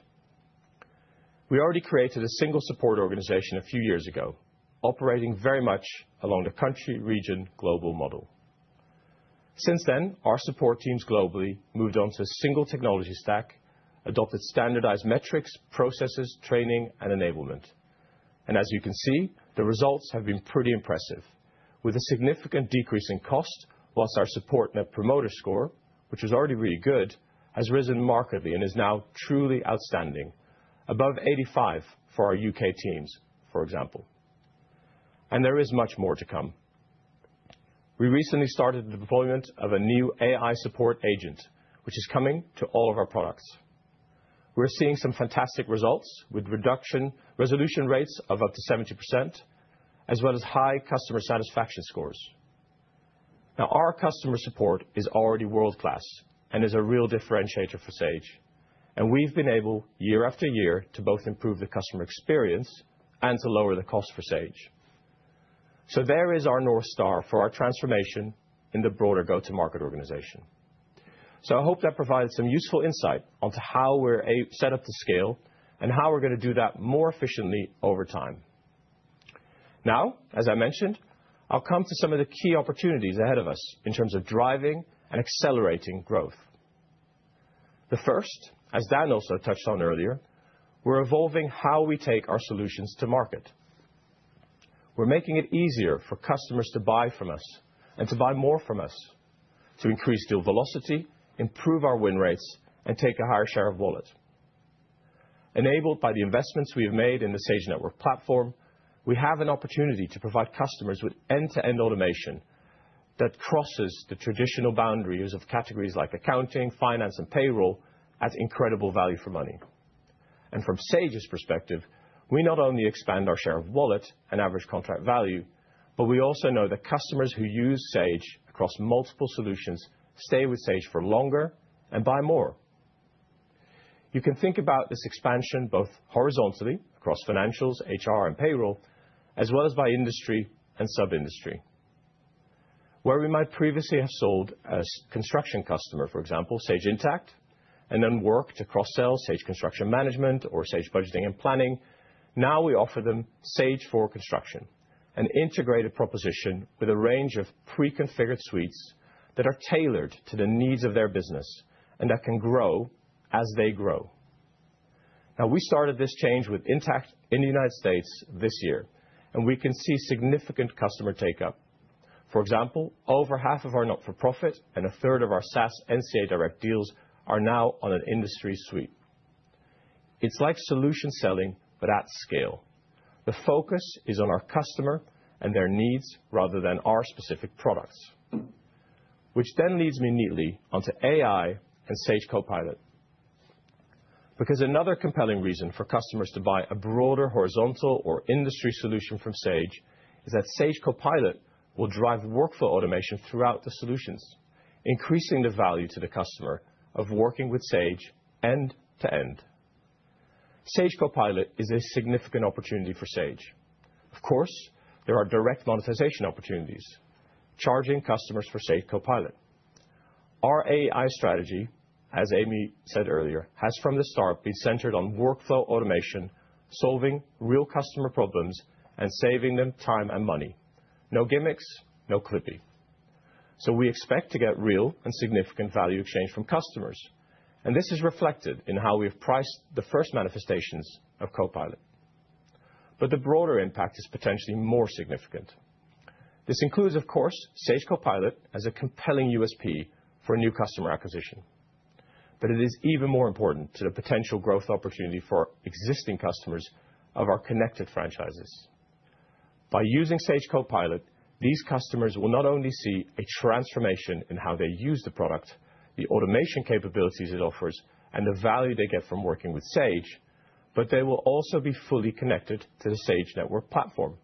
We already created a single support organization a few years ago, operating very much along the country, region, global model. Since then, our support teams globally moved on to a single technology stack, adopted standardized metrics, processes, training, and enablement. As you can see, the results have been pretty impressive, with a significant decrease in cost whilst our support net promoter score, which was already really good, has risen markedly and is now truly outstanding, above 85 for our U.K. teams, for example. There is much more to come. We recently started the deployment of a new AI support agent, which is coming to all of our products. We're seeing some fantastic results with resolution rates of up to 70%, as well as high customer satisfaction scores. Now, our customer support is already world-class and is a real differentiator for Sage. We have been able, year after year, to both improve the customer experience and to lower the cost for Sage. There is our North Star for our transformation in the broader go-to-market organization. I hope that provided some useful insight onto how we are set up to scale and how we are going to do that more efficiently over time. As I mentioned, I will come to some of the key opportunities ahead of us in terms of driving and accelerating growth. The first, as Dan also touched on earlier, we are evolving how we take our solutions to market. We are making it easier for customers to buy from us and to buy more from us, to increase deal velocity, improve our win rates, and take a higher share of wallet. Enabled by the investments we have made in the Sage Network platform, we have an opportunity to provide customers with end-to-end automation that crosses the traditional boundaries of categories like accounting, finance, and payroll at incredible value for money. From Sage's perspective, we not only expand our share of wallet and average contract value, but we also know that customers who use Sage across multiple solutions stay with Sage for longer and buy more. You can think about this expansion both horizontally across financials, HR, and payroll, as well as by industry and sub-industry. Where we might previously have sold, as a construction customer for example, Sage Intacct, and then worked across sales: Sage Construction Management or Sage Budgeting and Planning, now we offer them Sage for Construction, an integrated proposition with a range of pre-configured suites that are tailored to the needs of their business and that can grow as they grow. We started this change with Intacct in the United States this year, and we can see significant customer take-up. For example, over half of our not-for-profit and a third of our SaaS NCA Direct deals are now on an industry suite. It's like solution selling, but at scale. The focus is on our customer and their needs rather than our specific products, which then leads me neatly onto AI and Sage Copilot. Because another compelling reason for customers to buy a broader horizontal or industry solution from Sage is that Sage Copilot will drive workflow automation throughout the solutions, increasing the value to the customer of working with Sage end-to-end. Sage Copilot is a significant opportunity for Sage. Of course, there are direct monetization opportunities, charging customers for Sage Copilot. Our AI strategy, as Amy said earlier, has from the start been centered on workflow automation, solving real customer problems and saving them time and money. No gimmicks, no clippy. We expect to get real and significant value exchanged from customers. This is reflected in how we have priced the first manifestations of Copilot. The broader impact is potentially more significant. This includes, of course, Sage Copilot as a compelling USP for a new customer acquisition. It is even more important to the potential growth opportunity for existing customers of our connected franchises. By using Sage Copilot, these customers will not only see a transformation in how they use the product, the automation capabilities it offers, and the value they get from working with Sage, but they will also be fully connected to the Sage Network platform.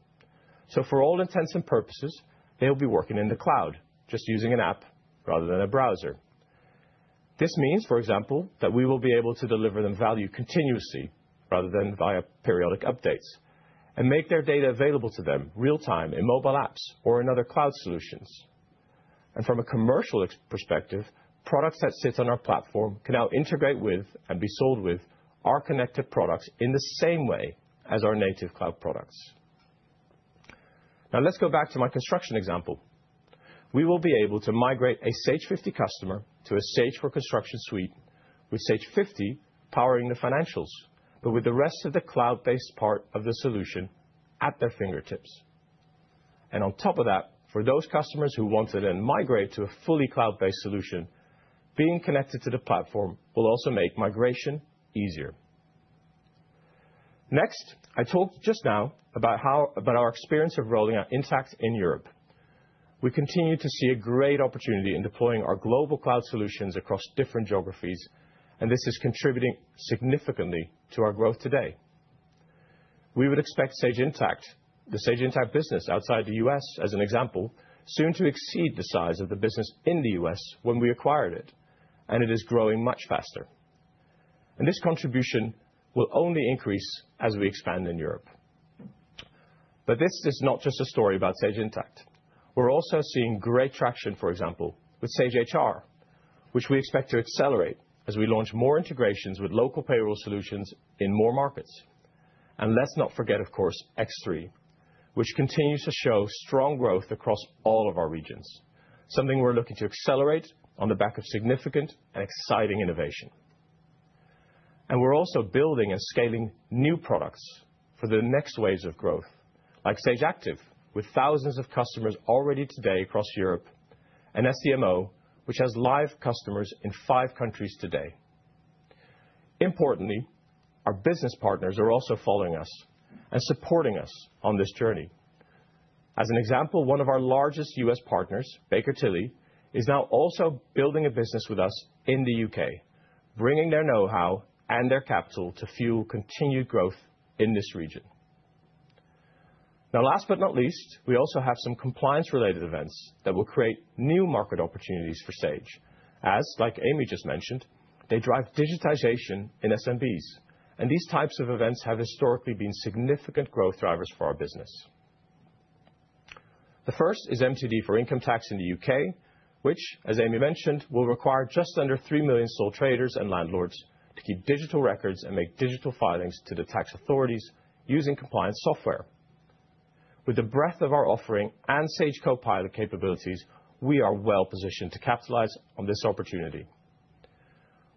For all intents and purposes, they will be working in the cloud, just using an app rather than a browser. This means, for example, that we will be able to deliver them value continuously rather than via periodic updates and make their data available to them real-time in mobile apps or in other cloud solutions. From a commercial perspective, products that sit on our platform can now integrate with and be sold with our connected products in the same way as our native cloud products. Now, let's go back to my construction example. We will be able to migrate a Sage 50 customer to a Sage for Construction suite with Sage 50 powering the financials, but with the rest of the cloud-based part of the solution at their fingertips. On top of that, for those customers who want to then migrate to a fully cloud-based solution, being connected to the platform will also make migration easier. Next, I talked just now about our experience of rolling out Sage Intacct in Europe. We continue to see a great opportunity in deploying our global cloud solutions across different geographies, and this is contributing significantly to our growth today. We would expect Sage Intacct, the Sage Intacct business outside the U.S., as an example, soon to exceed the size of the business in the U.S. when we acquired it. It is growing much faster. This contribution will only increase as we expand in Europe. This is not just a story about Sage Intacct. We are also seeing great traction, for example, with Sage HR, which we expect to accelerate as we launch more integrations with local payroll solutions in more markets. Let's not forget, of course, Sage X3, which continues to show strong growth across all of our regions, something we are looking to accelerate on the back of significant and exciting innovation. We are also building and scaling new products for the next waves of growth, like Sage Active, with thousands of customers already today across Europe, and Sage Distribution and Manufacturing Operations, which has live customers in five countries today. Importantly, our business partners are also following us and supporting us on this journey. As an example, one of our largest U.S. partners, Baker Tilly, is now also building a business with us in the U.K., bringing their know-how and their capital to fuel continued growth in this region. Last but not least, we also have some compliance-related events that will create new market opportunities for Sage. As, like Amy just mentioned, they drive digitization in SMBs. These types of events have historically been significant growth drivers for our business. The first is MTD for income tax in the U.K., which, as Amy mentioned, will require just under 3 million sole traders and landlords to keep digital records and make digital filings to the tax authorities using compliance software. With the breadth of our offering and Sage Copilot capabilities, we are well positioned to capitalize on this opportunity.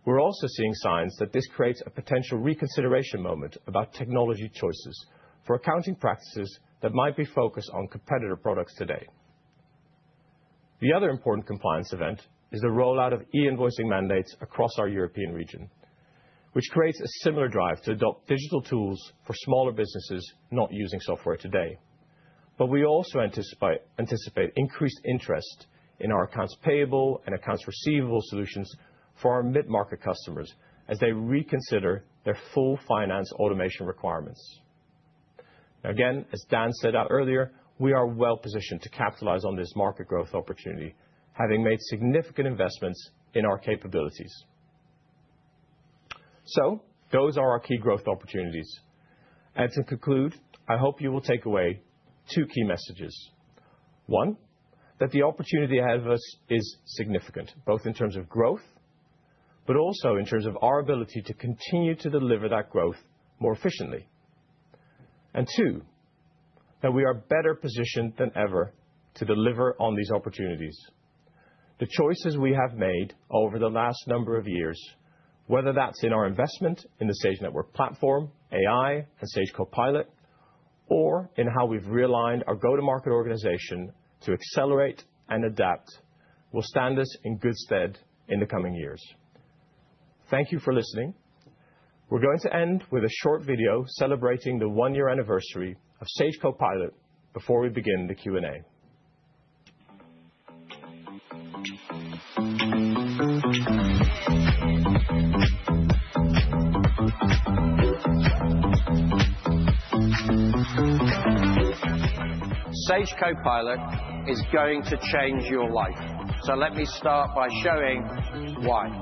We're also seeing signs that this creates a potential reconsideration moment about technology choices for accounting practices that might be focused on competitor products today. The other important compliance event is the rollout of e-invoicing mandates across our European region, which creates a similar drive to adopt digital tools for smaller businesses not using software today. We also anticipate increased interest in our accounts payable and accounts receivable solutions for our mid-market customers as they reconsider their full finance automation requirements. Now, again, as Dan said earlier, we are well positioned to capitalize on this market growth opportunity, having made significant investments in our capabilities. Those are our key growth opportunities. To conclude, I hope you will take away two key messages. One, that the opportunity ahead of us is significant, both in terms of growth, but also in terms of our ability to continue to deliver that growth more efficiently. Two, that we are better positioned than ever to deliver on these opportunities. The choices we have made over the last number of years, whether that's in our investment in the Sage Network platform, AI, and Sage Copilot, or in how we've realigned our go-to-market organization to accelerate and adapt, will stand us in good stead in the coming years. Thank you for listening. We're going to end with a short video celebrating the one-year anniversary of Sage Copilot before we begin the Q&A. Sage Copilot is going to change your life. Let me start by showing why.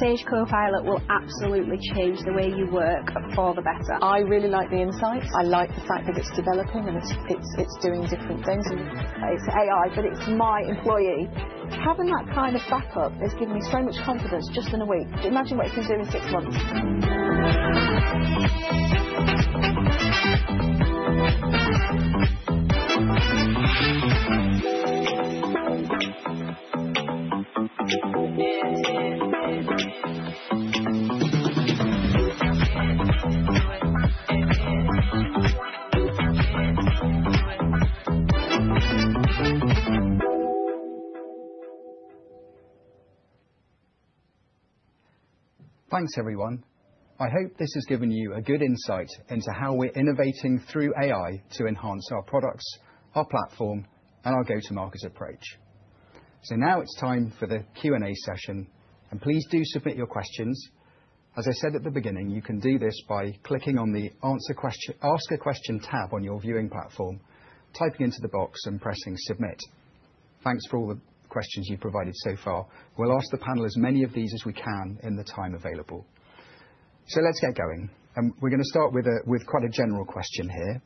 Sage Copilot will absolutely change the way you work for the better. I really like the insights. I like the fact that it's developing and it's doing different things. And it's AI, but it's my employee. Having that kind of backup has given me so much confidence just in a week. Imagine what it can do in six months. Thanks, everyone. I hope this has given you a good insight into how we're innovating through AI to enhance our products, our platform, and our go-to-market approach. Now it's time for the Q&A session. Please do submit your questions. As I said at the beginning, you can do this by clicking on the Ask a Question tab on your viewing platform, typing into the box, and pressing Submit. Thanks for all the questions you've provided so far. We'll ask the panel as many of these as we can in the time available. Let's get going. We're going to start with quite a general question here.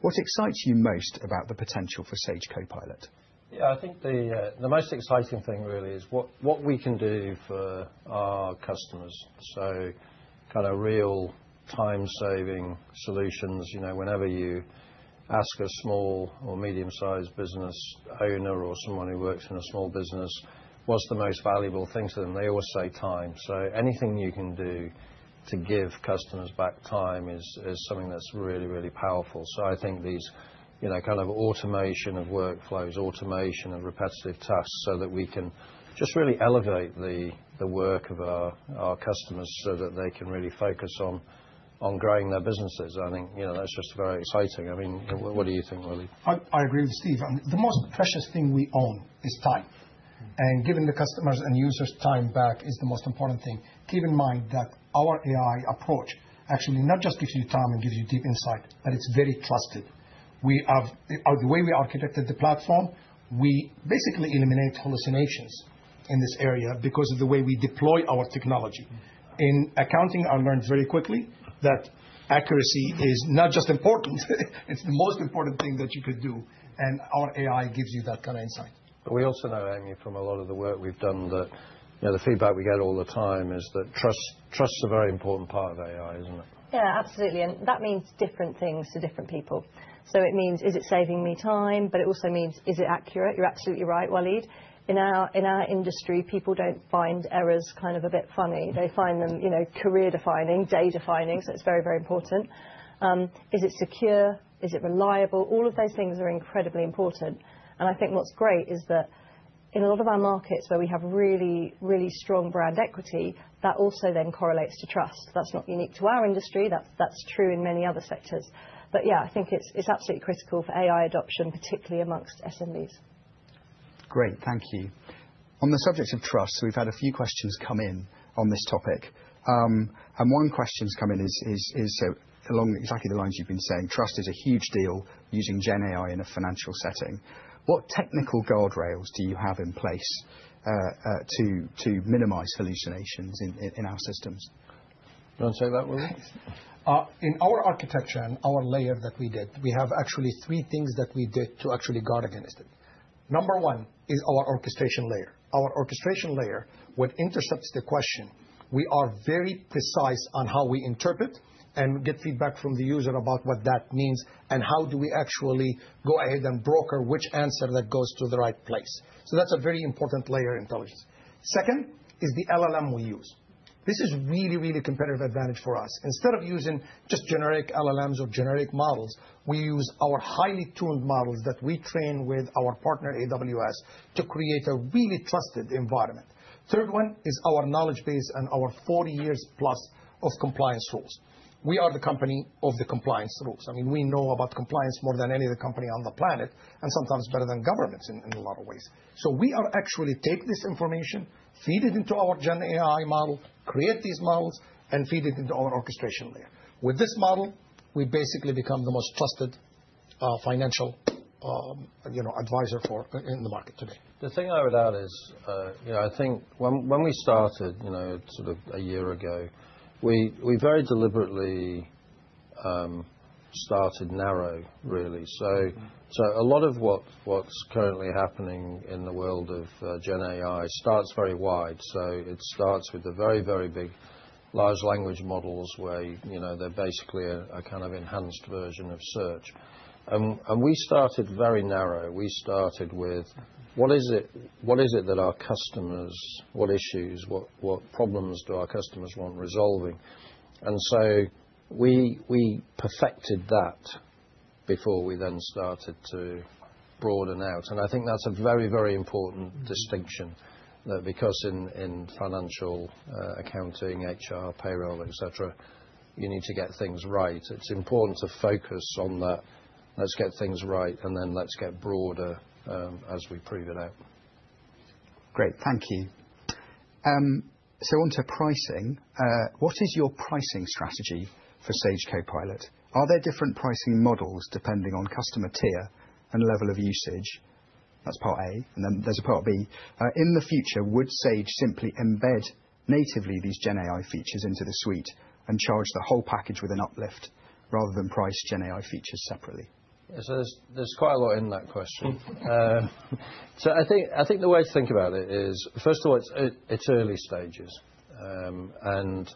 What excites you most about the potential for Sage Copilot? Yeah, I think the most exciting thing really is what we can do for our customers. Kind of real time-saving solutions. Whenever you ask a small or medium-sized business owner or someone who works in a small business, what's the most valuable thing to them? They always say time. Anything you can do to give customers back time is something that's really, really powerful. I think these kind of automation of workflows, automation of repetitive tasks so that we can just really elevate the work of our customers so that they can really focus on growing their businesses. I think that's just very exciting. I mean, what do you think, Walid? I agree with Steve. The most precious thing we own is time. Giving the customers and users time back is the most important thing. Keep in mind that our AI approach actually not just gives you time and gives you deep insight, but it's very trusted. The way we architected the platform, we basically eliminate hallucinations in this area because of the way we deploy our technology. In accounting, I learned very quickly that accuracy is not just important. It's the most important thing that you could do. Our AI gives you that kind of insight. We also know, Amy, from a lot of the work we've done that the feedback we get all the time is that trust is a very important part of AI, isn't it? Yeah, absolutely. That means different things to different people. It means, is it saving me time? It also means, is it accurate? You're absolutely right, Walid. In our industry, people do not find errors kind of a bit funny. They find them career-defining, day-defining. It is very, very important. Is it secure? Is it reliable? All of those things are incredibly important. I think what is great is that in a lot of our markets where we have really, really strong brand equity, that also then correlates to trust. That is not unique to our industry. That is true in many other sectors. I think it is absolutely critical for AI adoption, particularly amongst SMBs. Great. Thank you. On the subject of trust, we have had a few questions come in on this topic. One question has come in along exactly the lines you have been saying. Trust is a huge deal using GenAI in a financial setting. What technical guardrails do you have in place to minimize hallucinations in our systems? You want to take that, Walid? In our architecture and our layer that we did, we have actually three things that we did to actually guard against it. Number one is our orchestration layer. Our orchestration layer would intercept the question. We are very precise on how we interpret and get feedback from the user about what that means and how do we actually go ahead and broker which answer that goes to the right place. That is a very important layer of intelligence. Second is the LLM we use. This is really, really competitive advantage for us. Instead of using just generic LLMs or generic models, we use our highly tuned models that we train with our partner, AWS, to create a really trusted environment. Third one is our knowledge base and our 40 years plus of compliance rules. We are the company of the compliance rules. I mean, we know about compliance more than any other company on the planet and sometimes better than governments in a lot of ways. We are actually taking this information, feeding it into our GenAI model, creating these models, and feeding it into our orchestration layer. With this model, we basically become the most trusted financial advisor in the market today. The thing I would add is I think when we started sort of a year ago, we very deliberately started narrow, really. A lot of what's currently happening in the world of GenAI starts very wide. It starts with the very, very big large language models where they're basically a kind of enhanced version of search. We started very narrow. We started with, what is it that our customers, what issues, what problems do our customers want resolving? We perfected that before we then started to broaden out. I think that's a very, very important distinction because in financial accounting, HR, payroll, etc., you need to get things right. It's important to focus on that. Let's get things right, and then let's get broader as we pro ve it out. Great. Thank you. Onto pricing. What is your pricing strategy for Sage Copilot? Are there different pricing models depending on customer tier and level of usage? That's part A. There is a part B. In the future, would Sage simply embed natively these GenAI features into the suite and charge the whole package with an uplift rather than price GenAI features separately? There is quite a lot in that question. I think the way to think about it is, first of all, it's early stages. It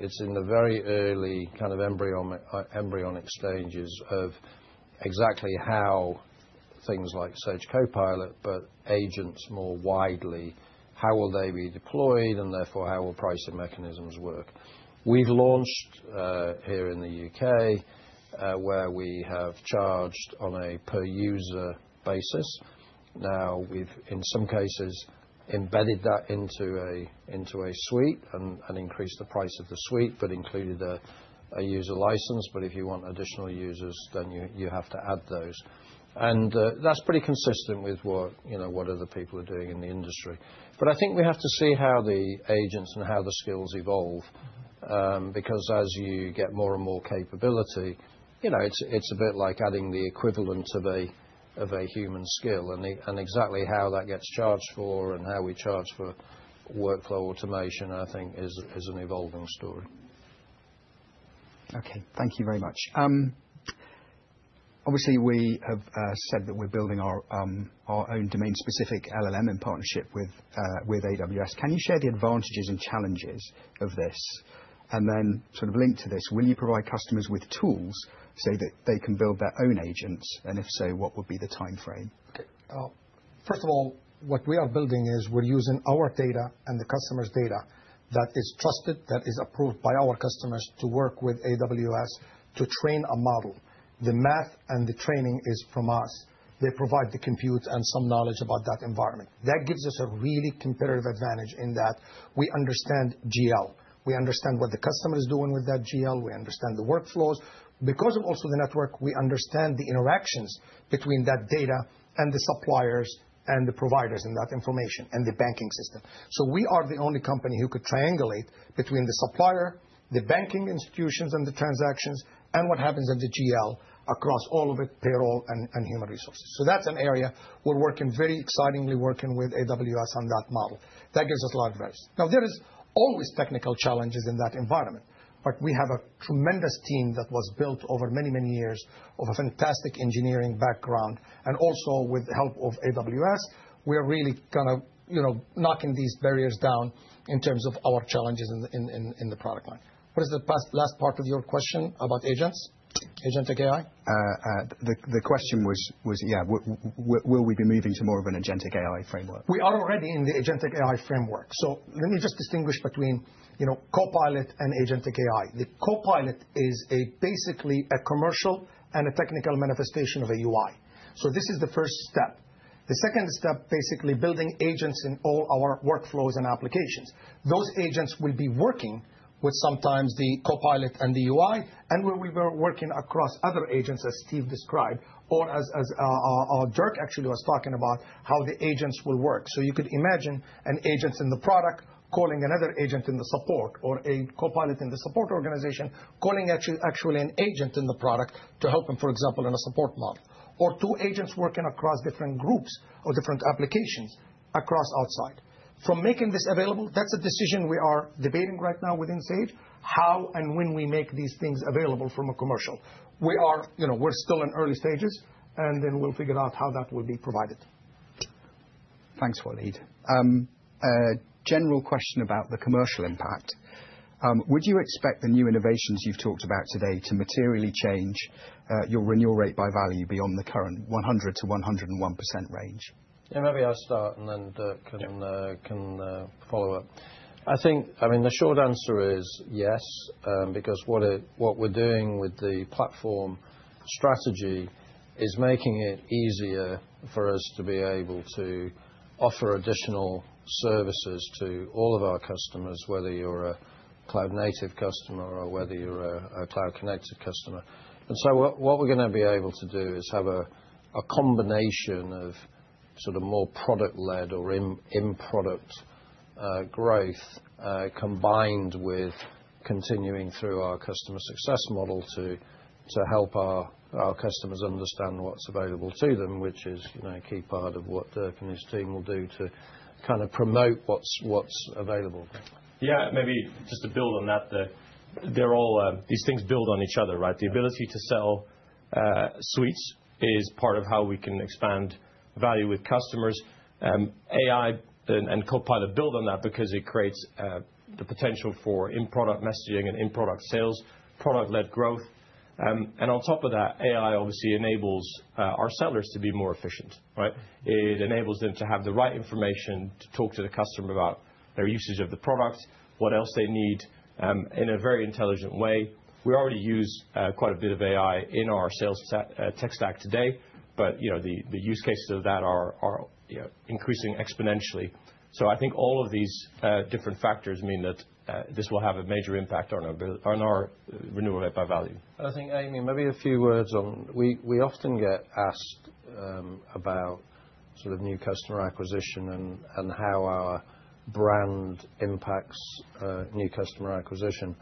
is in the very early kind of embryonic stages of exactly how things like Sage Copilot, but agents more widely, how will they be deployed, and therefore how will pricing mechanisms work? We have launched here in the U.K. where we have charged on a per-user basis. In some cases, we have embedded that into a suite and increased the price of the suite, but included a user license. If you want additional users, then you have to add those. That is pretty consistent with what other people are doing in the industry. I think we have to see how the agents and how the skills evolve because as you get more and more capability, it is a bit like adding the equivalent of a human skill. Exactly how that gets charged for and how we charge for workflow automation, I think, is an evolving story. Okay. Thank you very much. Obviously, we have said that we're building our own domain-specific LLM in partnership with AWS. Can you share the advantages and challenges of this? Then sort of link to this, will you provide customers with tools so that they can build their own agents? If so, what would be the time frame? Okay. First of all, what we are building is we're using our data and the customer's data that is trusted, that is approved by our customers to work with AWS to train a model. The math and the training is from us. They provide the compute and some knowledge about that environment. That gives us a really competitive advantage in that we understand GL. We understand what the customer is doing with that GL. We understand the workflows. Because of also the network, we understand the interactions between that data and the suppliers and the providers and that information and the banking system. We are the only company who could triangulate between the supplier, the banking institutions, and the transactions, and what happens in the GL across all of it, payroll and human resources. That is an area we are working very excitingly working with AWS on that model. That gives us a lot of advantage. There are always technical challenges in that environment, but we have a tremendous team that was built over many, many years of a fantastic engineering background. Also with the help of AWS, we are really kind of knocking these barriers down in terms of our challenges in the product line. What is the last part of your question about agents? Agentic AI? The question was, yeah, will we be moving to more of an agentic AI framework? We are already in the agentic AI framework. Let me just distinguish between Copilot and agentic AI. The Copilot is basically a commercial and a technical manifestation of a UI. This is the first step. The second step, basically building agents in all our workflows and applications. Those agents will be working with sometimes the Copilot and the UI, and we will be working across other agents as Steve described, or as Derk actually was talking about how the agents will work. You could imagine an agent in the product calling another agent in the support, or a Copilot in the support organization calling actually an agent in the product to help him, for example, in a support model. Or two agents working across different groups or different applications across outside. From making this available, that's a decision we are debating right now within Sage, how and when we make these things available from a commercial. We're still in early stages, and then we'll figure out how that will be provided. Thanks, Walid. General question about the commercial impact. Would you expect the new innovations you've talked about today to materially change your renewal rate by value beyond the current 100%-101% range? Yeah, maybe I'll start and then can follow up. I think, I mean, the short answer is yes because what we're doing with the platform strategy is making it easier for us to be able to offer additional services to all of our customers, whether you're a cloud-native customer or whether you're a cloud-connected customer. What we're going to be able to do is have a combination of sort of more product-led or in-product growth combined with continuing through our customer success model to help our customers understand what's available to them, which is a key part of what Derk and his team will do to kind of promote what's available. Maybe just to build on that, these things build on each other, right? The ability to sell suites is part of how we can expand value with customers. AI and Copilot build on that because it creates the potential for in-product messaging and in-product sales, product-led growth. On top of that, AI obviously enables our sellers to be more efficient, right? It enables them to have the right information to talk to the customer about their usage of the product, what else they need in a very intelligent way. We already use quite a bit of AI in our sales tech stack today, but the use cases of that are increasing exponentially. I think all of these different factors mean that this will have a major impact on our renewal rate by value. I think, Amy, maybe a few words on we often get asked about sort of new customer acquisition and how our brand impacts new customer acquisition.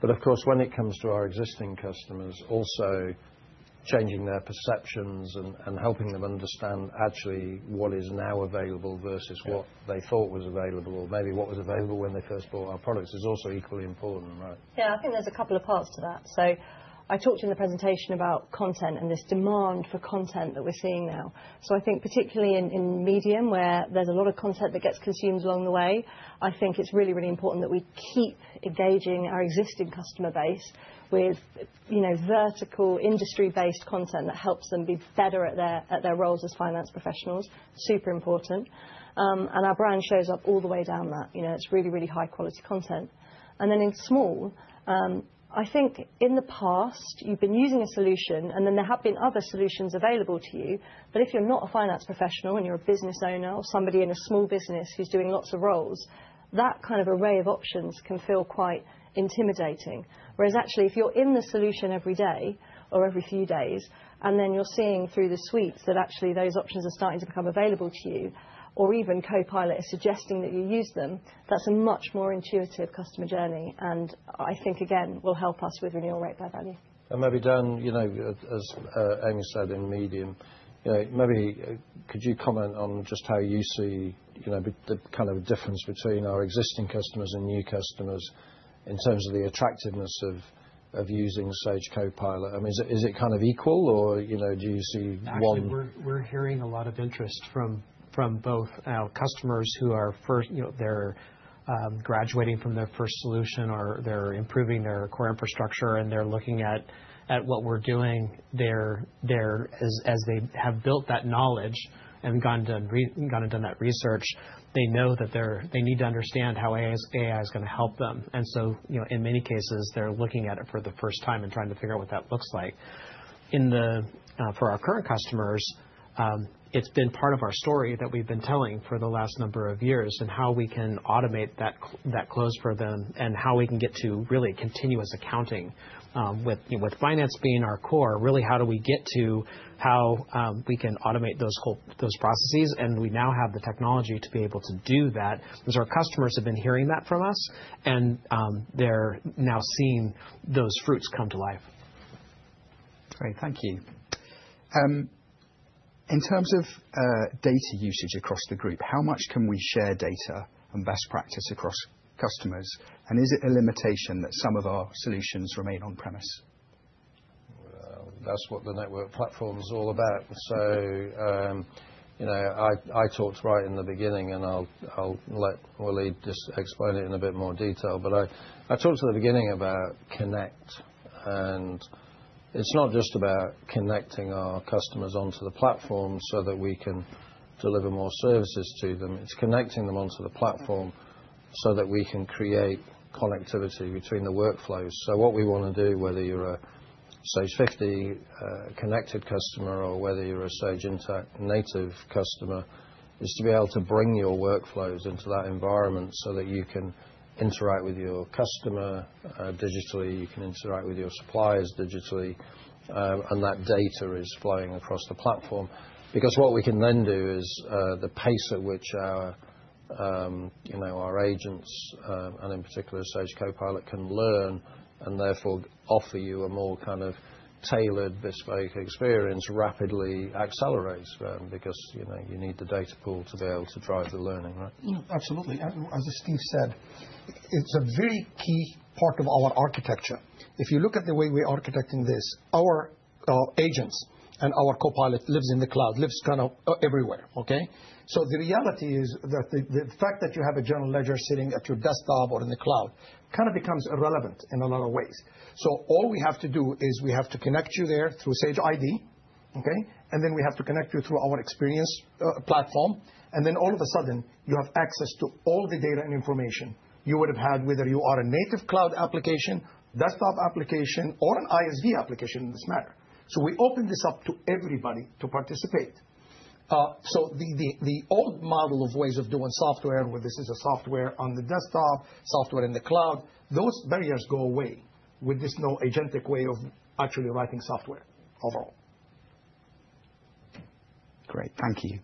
Of course, when it comes to our existing customers, also changing their perceptions and helping them understand actually what is now available versus what they thought was available, or maybe what was available when they first bought our products is also equally important, right? Yeah, I think there's a couple of parts to that. I talked in the presentation about content and this demand for content that we're seeing now. I think particularly in medium where there's a lot of content that gets consumed along the way, I think it's really, really important that we keep engaging our existing customer base with vertical, industry-based content that helps them be better at their roles as finance professionals. Super important. Our brand shows up all the way down that. It's really, really high-quality content. In small, I think in the past, you've been using a solution, and then there have been other solutions available to you. If you're not a finance professional and you're a business owner or somebody in a small business who's doing lots of roles, that kind of array of options can feel quite intimidating. Whereas actually, if you're in the solution every day or every few days, and then you're seeing through the suites that actually those options are starting to become available to you, or even Copilot is suggesting that you use them, that's a much more intuitive customer journey. I think, again, will help us with renewal rate by value. Maybe Dan, as Amy said in medium, maybe could you comment on just how you see the kind of difference between our existing customers and new customers in terms of the attractiveness of using Sage Copilot? I mean, is it kind of equal, or do you see one? Actually, we're hearing a lot of interest from both our customers who are graduating from their first solution or they're improving their core infrastructure, and they're looking at what we're doing there as they have built that knowledge and gone and done that research. They know that they need to understand how AI is going to help them. In many cases, they're looking at it for the first time and trying to figure out what that looks like. For our current customers, it's been part of our story that we've been telling for the last number of years and how we can automate that close for them and how we can get to really continuous accounting with finance being our core. Really, how do we get to how we can automate those processes? We now have the technology to be able to do that because our customers have been hearing that from us, and they're now seeing those fruits come to life. Great. Thank you. In terms of data usage across the group, how much can we share data and best practice across customers? Is it a limitation that some of our solutions remain on-premise? That is what the network platform is all about. I talked right in the beginning, and I'll let Walid just explain it in a bit more detail. I talked at the beginning about connect. It is not just about connecting our customers onto the platform so that we can deliver more services to them. It is connecting them onto the platform so that we can create connectivity between the workflows. What we want to do, whether you're a Sage 50 connected customer or whether you're a Sage Intacct native customer, is to be able to bring your workflows into that environment so that you can interact with your customer digitally. You can interact with your suppliers digitally, and that data is flowing across the platform. Because what we can then do is the pace at which our agents, and in particular, Sage Copilot, can learn and therefore offer you a more kind of tailored bespoke experience rapidly accelerates for them because you need the data pool to be able to drive the learning, right? Absolutely. As Steve said, it's a very key part of our architecture. If you look at the way we're architecting this, our agents and our Copilot lives in the cloud, lives kind of everywhere, okay? The reality is that the fact that you have a general ledger sitting at your desktop or in the cloud kind of becomes irrelevant in a lot of ways. All we have to do is we have to connect you there through Sage ID, okay? We have to connect you through our experience platform. All of a sudden, you have access to all the data and information you would have had whether you are a native cloud application, desktop application, or an ISV application in this matter. We open this up to everybody to participate. The old model of ways of doing software, where this is a software on the desktop, software in the cloud, those barriers go away with this agentic way of actually writing software overall. Great. Thank you.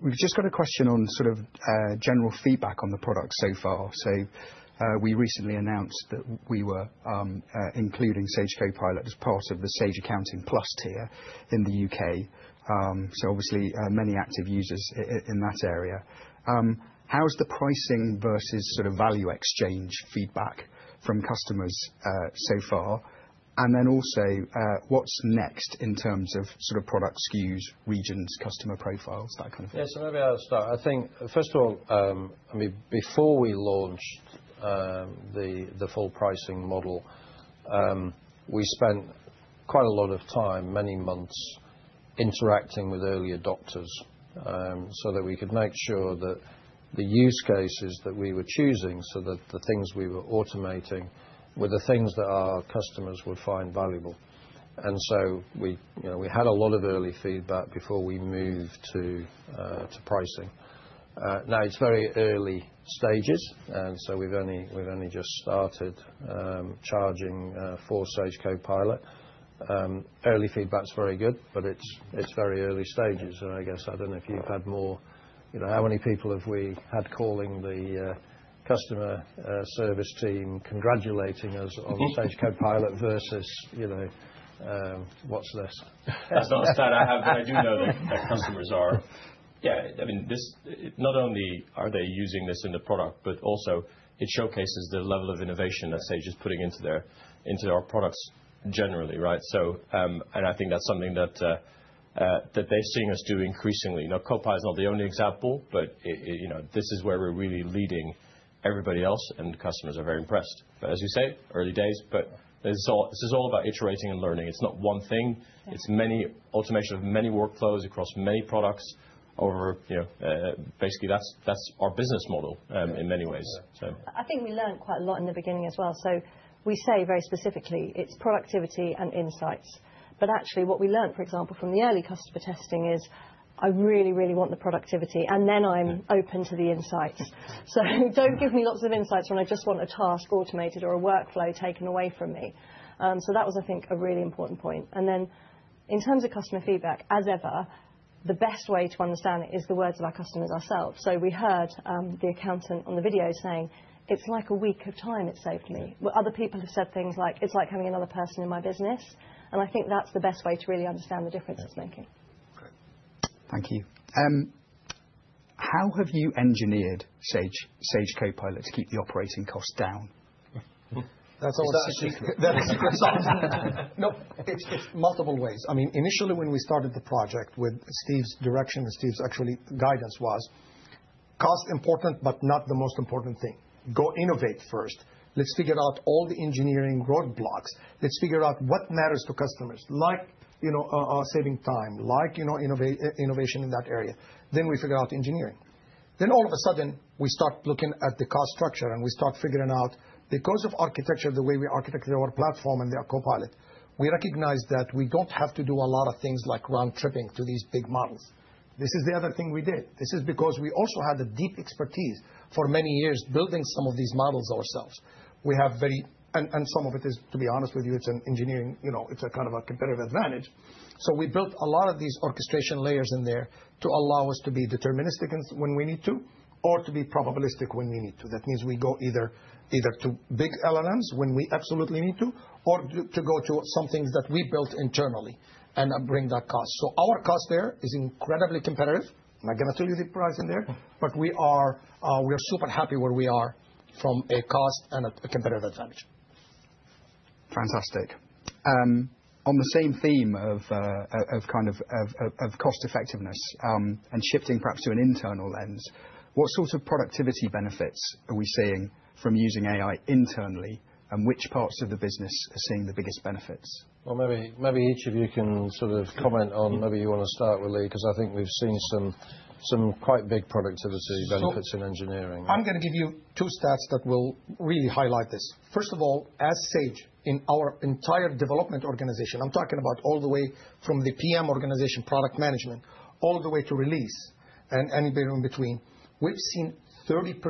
We've just got a question on sort of general feedback on the product so far. We recently announced that we were including Sage Copilot as part of the Sage Accounting Plus tier in the U.K. Obviously, many active users in that area. How's the pricing versus sort of value exchange feedback from customers so far? Also, what's next in terms of sort of product SKUs, regions, customer profiles, that kind of thing? Yeah, maybe I'll start. I think, first of all, before we launched the full pricing model, we spent quite a lot of time, many months, interacting with early adopters so that we could make sure that the use cases that we were choosing, so that the things we were automating, were the things that our customers would find valuable. We had a lot of early feedback before we moved to pricing. It is very early stages, and we have only just started charging for Sage Copilot. Early feedback is very good, but it is very early stages. I guess I do not know if you have had more—how many people have we had calling the customer service team congratulating us on Sage Copilot versus "what is this?" That is not a stat. I do know that customers are, yeah, I mean, not only are they using this in the product, but also it showcases the level of innovation that Sage is putting into our products generally, right? I think that is something that they have seen us do increasingly. Copilot is not the only example, but this is where we are really leading everybody else, and customers are very impressed. As you say, early days, but this is all about iterating and learning. It's not one thing. It's automation of many workflows across many products over basically, that's our business model in many ways. I think we learned quite a lot in the beginning as well. We say very specifically, it's productivity and insights. Actually, what we learned, for example, from the early customer testing is, "I really, really want the productivity, and then I'm open to the insights." Do not give me lots of insights when I just want a task automated or a workflow taken away from me. That was, I think, a really important point. In terms of customer feedback, as ever, the best way to understand it is the words of our customers ourselves. We heard the accountant on the video saying, "It's like a week of time it saved me." Other people have said things like, "It's like having another person in my business." I think that's the best way to really understand the difference it's making. Great. Thank you. How have you engineered Sage Copilot to keep the operating cost down? That's a hard question. No, it's multiple ways. I mean, initially, when we started the project with Steve's direction and Steve's actual guidance was, cost important, but not the most important thing. Go innovate first. Let's figure out all the engineering roadblocks. Let's figure out what matters to customers, like saving time, like innovation in that area. Then we figure out engineering. All of a sudden, we start looking at the cost structure and we start figuring out because of architecture, the way we architect our platform and our Copilot, we recognize that we do not have to do a lot of things like round-tripping to these big models. This is the other thing we did. This is because we also had the deep expertise for many years building some of these models ourselves. And some of it is, to be honest with you, it is an engineering, it is a kind of a competitive advantage. We built a lot of these orchestration layers in there to allow us to be deterministic when we need to or to be probabilistic when we need to. That means we go either to big LLMs when we absolutely need to or to go to some things that we built internally and bring that cost. Our cost there is incredibly competitive. I'm not going to tell you the price in there, but we are super happy where we are from a cost and a competitive advantage. Fantastic. On the same theme of kind of cost effectiveness and shifting perhaps to an internal lens, what sort of productivity benefits are we seeing from using AI internally, and which parts of the business are seeing the biggest benefits? Maybe each of you can sort of comment on maybe you want to start with Lee because I think we've seen some quite big productivity benefits in engineering. I'm going to give you two stats that will really highlight this. First of all, as Sage in our entire development organization, I'm talking about all the way from the PM organization, product management, all the way to release and anywhere in between, we've seen 30%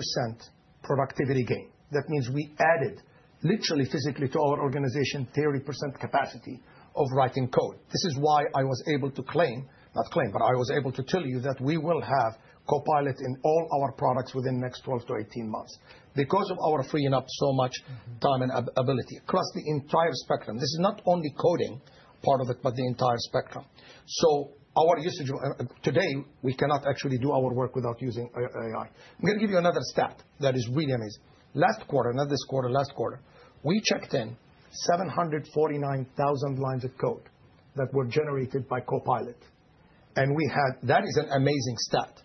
productivity gain. That means we added literally, physically to our organization 30% capacity of writing code. This is why I was able to claim, not claim, but I was able to tell you that we will have Copilot in all our products within the next 12 to 18 months because of our freeing up so much time and ability across the entire spectrum. This is not only coding part of it, but the entire spectrum. Our usage today, we cannot actually do our work without using AI. I'm going to give you another stat that is really amazing. Last quarter, not this quarter, last quarter, we checked in 749,000 lines of code that were generated by Copilot. That is an amazing stat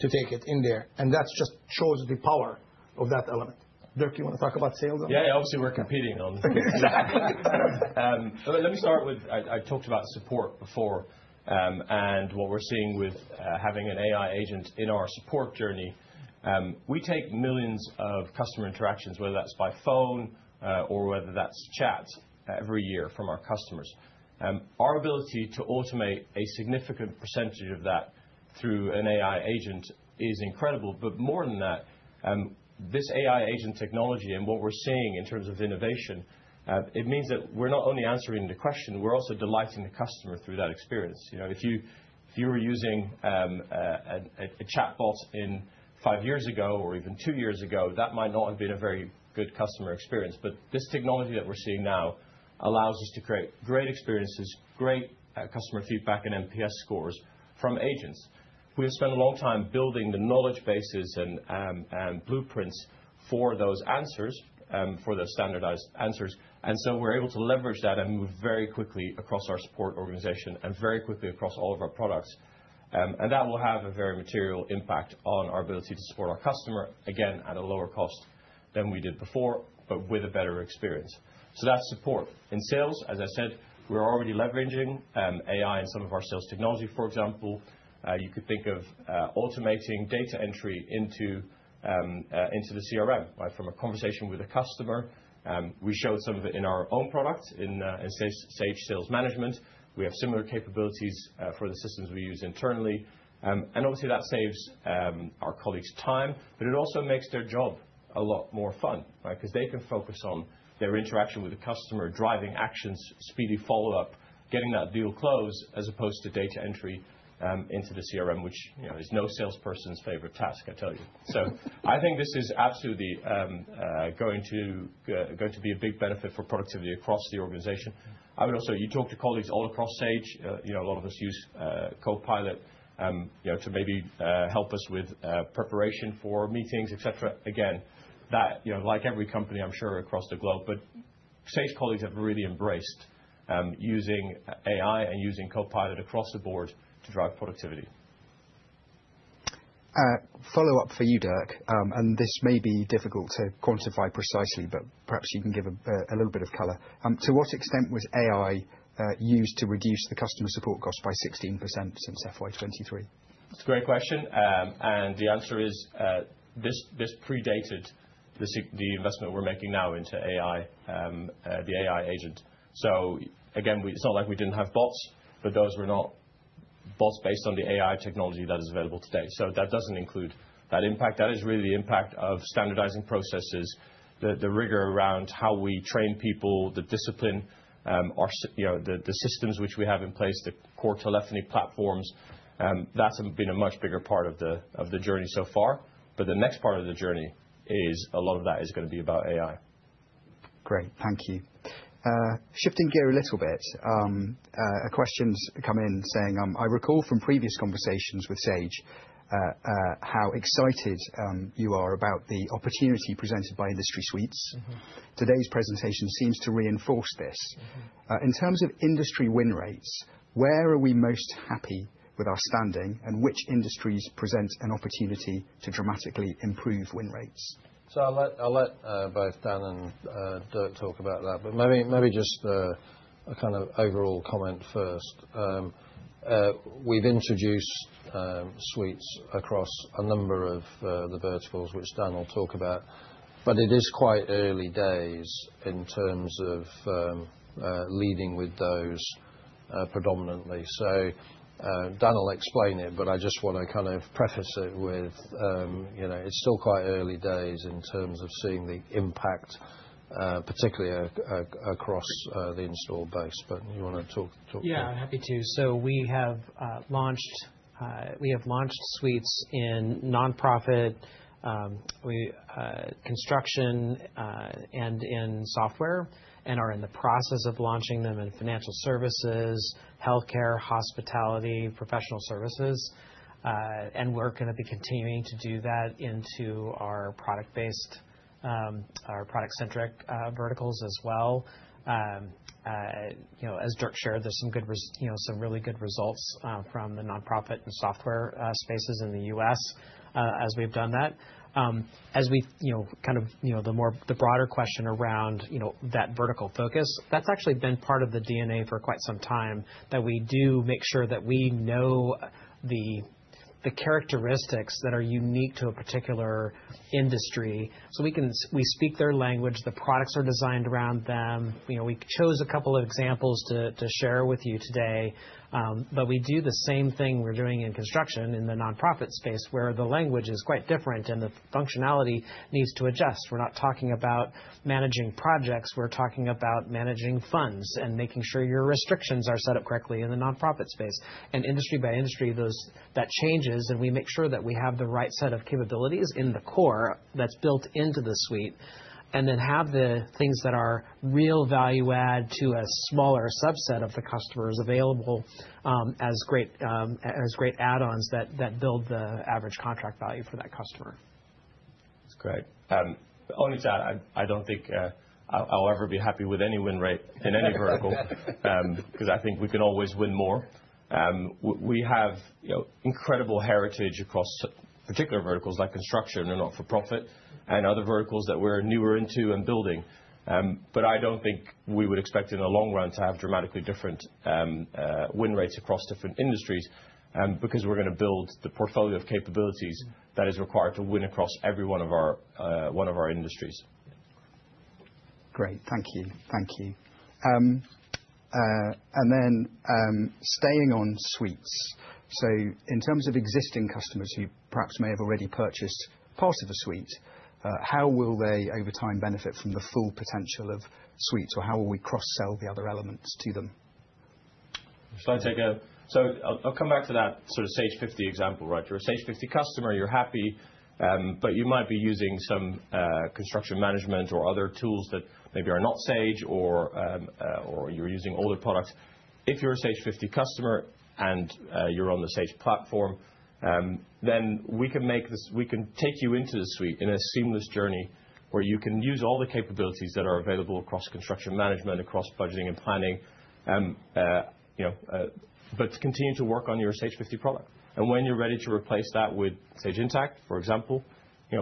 to take it in there. That just shows the power of that element. Derk, you want to talk about sales? Yeah, obviously, we're competing on. Exactly. Let me start with I talked about support before and what we're seeing with having an AI agent in our support journey. We take millions of customer interactions, whether that's by phone or whether that's chat every year from our customers. Our ability to automate a significant percentage of that through an AI agent is incredible. More than that, this AI agent technology and what we're seeing in terms of innovation, it means that we're not only answering the question, we're also delighting the customer through that experience. If you were using a chatbot five years ago or even two years ago, that might not have been a very good customer experience. This technology that we're seeing now allows us to create great experiences, great customer feedback, and NPS scores from agents. We have spent a long time building the knowledge bases and blueprints for those answers, for those standardized answers. We are able to leverage that and move very quickly across our support organization and very quickly across all of our products. That will have a very material impact on our ability to support our customer, again, at a lower cost than we did before, but with a better experience. That is support. In sales, as I said, we are already leveraging AI in some of our sales technology. For example, you could think of automating data entry into the CRM from a conversation with a customer. We showed some of it in our own product in Sage Sales Management. We have similar capabilities for the systems we use internally. Obviously, that saves our colleagues time, but it also makes their job a lot more fun because they can focus on their interaction with the customer, driving actions, speedy follow-up, getting that deal closed as opposed to data entry into the CRM, which is no salesperson's favorite task, I tell you. I think this is absolutely going to be a big benefit for productivity across the organization. You talk to colleagues all across Sage. A lot of us use Copilot to maybe help us with preparation for meetings, etc. Again, like every company, I'm sure, across the globe, but Sage colleagues have really embraced using AI and using Copilot across the board to drive productivity. Follow-up for you, Derk. This may be difficult to quantify precisely, but perhaps you can give a little bit of color. To what extent was AI used to reduce the customer support cost by 16% since FY2023? That's a great question. The answer is this predated the investment we're making now into the AI agent. It's not like we didn't have bots, but those were not bots based on the AI technology that is available today. That doesn't include that impact. That is really the impact of standardizing processes, the rigor around how we train people, the discipline, the systems which we have in place, the core telephony platforms. That's been a much bigger part of the journey so far. The next part of the journey is a lot of that is going to be about AI. Great. Thank you. Shifting gear a little bit, a question's come in saying, "I recall from previous conversations with Sage how excited you are about the opportunity presented by industry suites. Today's presentation seems to reinforce this. In terms of industry win rates, where are we most happy with our standing and which industries present an opportunity to dramatically improve win rates?" I'll let both Dan and Derk talk about that. Maybe just a kind of overall comment first. We've introduced suites across a number of the verticals, which Dan will talk about. It is quite early days in terms of leading with those predominantly. Dan will explain it, but I just want to kind of preface it with it's still quite early days in terms of seeing the impact, particularly across the installed base. You want to talk? Yeah, I'm happy to. We have launched suites in nonprofit, construction, and in software, and are in the process of launching them in financial services, healthcare, hospitality, professional services. We're going to be continuing to do that into our product-based, our product-centric verticals as well. As Derk shared, there's some really good results from the nonprofit and software spaces in the US as we've done that. As we kind of the broader question around that vertical focus, that's actually been part of the DNA for quite some time that we do make sure that we know the characteristics that are unique to a particular industry. We speak their language. The products are designed around them. We chose a couple of examples to share with you today. We do the same thing we are doing in construction in the nonprofit space where the language is quite different and the functionality needs to adjust. We are not talking about managing projects. We are talking about managing funds and making sure your restrictions are set up correctly in the nonprofit space. Industry by industry, that changes. We make sure that we have the right set of capabilities in the core that is built into the suite and then have the things that are real value add to a smaller subset of the customers available as great add-ons that build the average contract value for that customer. That is great. Only to add, I do not think I will ever be happy with any win rate in any vertical because I think we can always win more. We have incredible heritage across particular verticals like construction and not-for-profit and other verticals that we're newer into and building. I don't think we would expect in the long run to have dramatically different win rates across different industries because we're going to build the portfolio of capabilities that is required to win across every one of our industries. Great. Thank you. Thank you. Staying on suites. In terms of existing customers who perhaps may have already purchased part of a suite, how will they over time benefit from the full potential of suites or how will we cross-sell the other elements to them? Should I take a, I'll come back to that sort of Sage 50 example, right? You're a Sage 50 customer. You're happy, but you might be using some construction management or other tools that maybe are not Sage or you're using older products. If you're a Sage 50 customer and you're on the Sage platform, then we can take you into the suite in a seamless journey where you can use all the capabilities that are available across construction management, across budgeting and planning, but continue to work on your Sage 50 product. When you're ready to replace that with Sage Intacct, for example,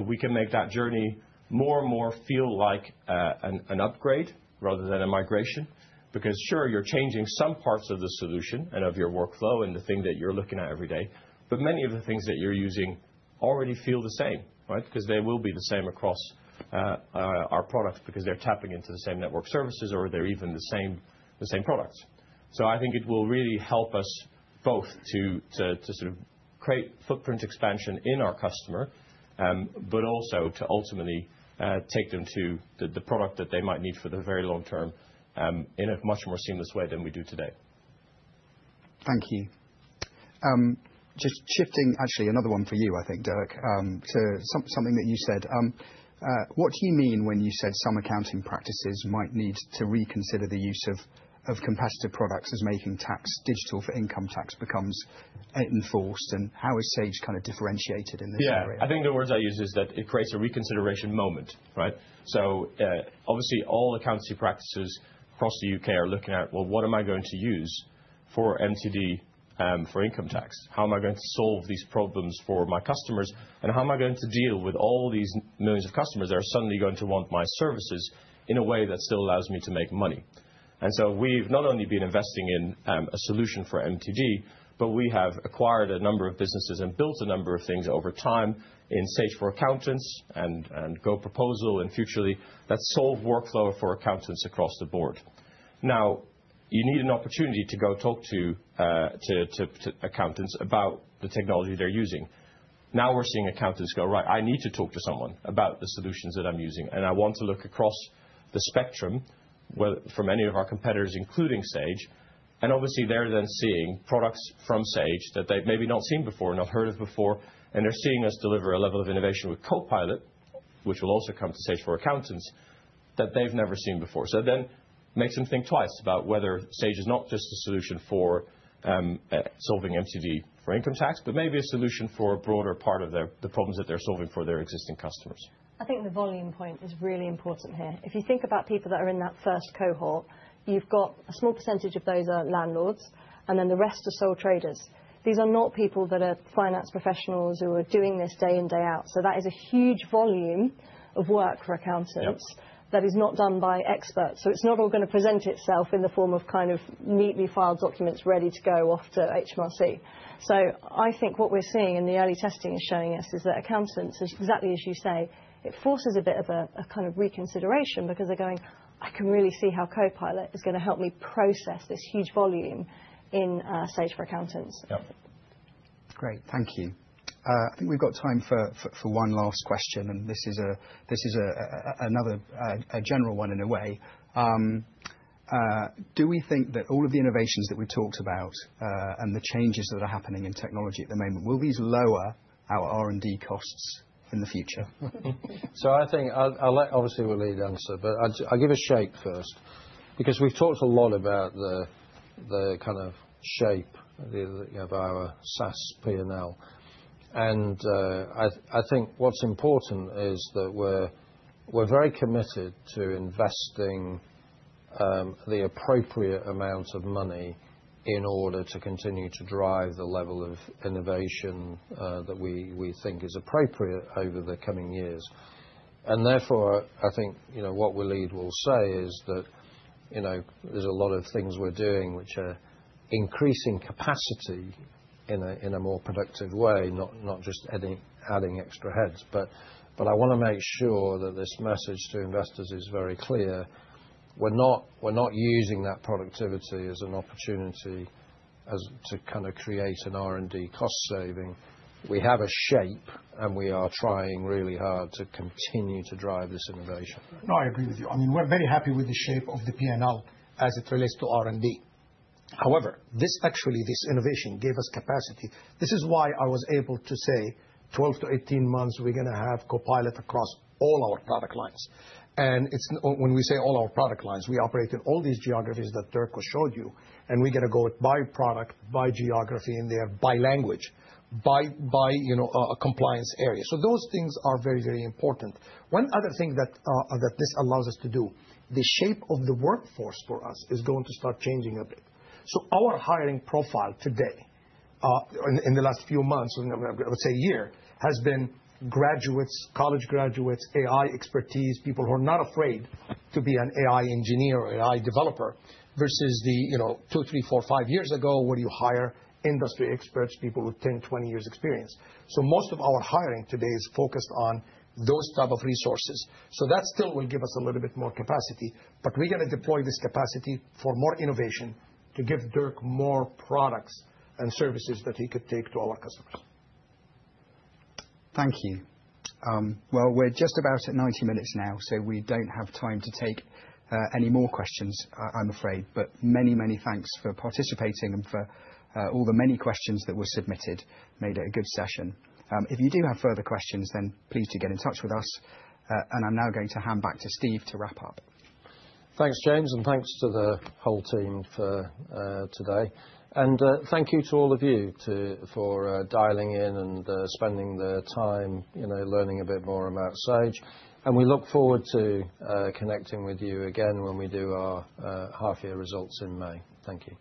we can make that journey more and more feel like an upgrade rather than a migration because, sure, you're changing some parts of the solution and of your workflow and the thing that you're looking at every day, but many of the things that you're using already feel the same, right? Because they will be the same across our products because they're tapping into the same network services or they're even the same products. I think it will really help us both to sort of create footprint expansion in our customer, but also to ultimately take them to the product that they might need for the very long term in a much more seamless way than we do today. Thank you. Just shifting, actually, another one for you, I think, Derk, to something that you said. What do you mean when you said some accounting practices might need to reconsider the use of competitive products as Making Tax Digital for income tax becomes enforced? How is Sage kind of differentiated in this area? I think the words I use is that it creates a reconsideration moment, right? Obviously, all accountancy practices across the U.K. are looking at, well, what am I going to use for MTD for income tax? How am I going to solve these problems for my customers? How am I going to deal with all these millions of customers that are suddenly going to want my services in a way that still allows me to make money? We have not only been investing in a solution for MTD, but we have acquired a number of businesses and built a number of things over time in Sage for Accountants and GoProposal and Futrli that solve workflow for accountants across the board. You need an opportunity to go talk to accountants about the technology they're using. Now we're seeing accountants go, right, I need to talk to someone about the solutions that I'm using. I want to look across the spectrum from any of our competitors, including Sage. Obviously, they're then seeing products from Sage that they've maybe not seen before and not heard of before. They're seeing us deliver a level of innovation with Copilot, which will also come to Sage for accountants that they've never seen before. That makes them think twice about whether Sage is not just a solution for solving MTD for income tax, but maybe a solution for a broader part of the problems that they're solving for their existing customers. I think the volume point is really important here. If you think about people that are in that first cohort, you've got a small percentage of those are landlords, and then the rest are sole traders. These are not people that are finance professionals who are doing this day in, day out. That is a huge volume of work for accountants that is not done by experts. It is not all going to present itself in the form of kind of neatly filed documents ready to go off to HMRC. I think what we are seeing in the early testing is showing us that accountants, exactly as you say, it forces a bit of a kind of reconsideration because they are going, I can really see how Copilot is going to help me process this huge volume in Sage for Accountants. Yep. Great. Thank you. I think we have got time for one last question. This is another general one in a way. Do we think that all of the innovations that we have talked about and the changes that are happening in technology at the moment, will these lower our R&D costs in the future? I think obviously we'll need answer, but I'll give a shake first because we've talked a lot about the kind of shape of our SaaS P&L. I think what's important is that we're very committed to investing the appropriate amount of money in order to continue to drive the level of innovation that we think is appropriate over the coming years. Therefore, I think what Walid will say is that there's a lot of things we're doing which are increasing capacity in a more productive way, not just adding extra heads. I want to make sure that this message to investors is very clear. We're not using that productivity as an opportunity to kind of create an R&D cost saving. We have a shape, and we are trying really hard to continue to drive this innovation. No, I agree with you. I mean, we're very happy with the shape of the P&L as it relates to R&D. However, actually, this innovation gave us capacity. This is why I was able to say 12 to 18 months, we're going to have Copilot across all our product lines. When we say all our product lines, we operate in all these geographies that Derk just showed you. We're going to go by product, by geography, and then by language, by compliance area. Those things are very, very important. One other thing that this allows us to do, the shape of the workforce for us is going to start changing a bit. Our hiring profile today in the last few months, I would say a year, has been graduates, college graduates, AI expertise, people who are not afraid to be an AI engineer or AI developer versus the two, three, four, five years ago where you hire industry experts, people with 10, 20 years experience. Most of our hiring today is focused on those types of resources. That still will give us a little bit more capacity. We are going to deploy this capacity for more innovation to give Derk more products and services that he could take to all our customers. Thank you. We are just about at 90 minutes now, so we do not have time to take any more questions, I am afraid. Many, many thanks for participating and for all the many questions that were submitted. Made it a good session. If you do have further questions, please do get in touch with us. I am now going to hand back to Steve to wrap up. Thanks, James, and thanks to the whole team for today. Thank you to all of you for dialing in and spending the time learning a bit more about Sage. We look forward to connecting with you again when we do our half-year results in May. Thank you.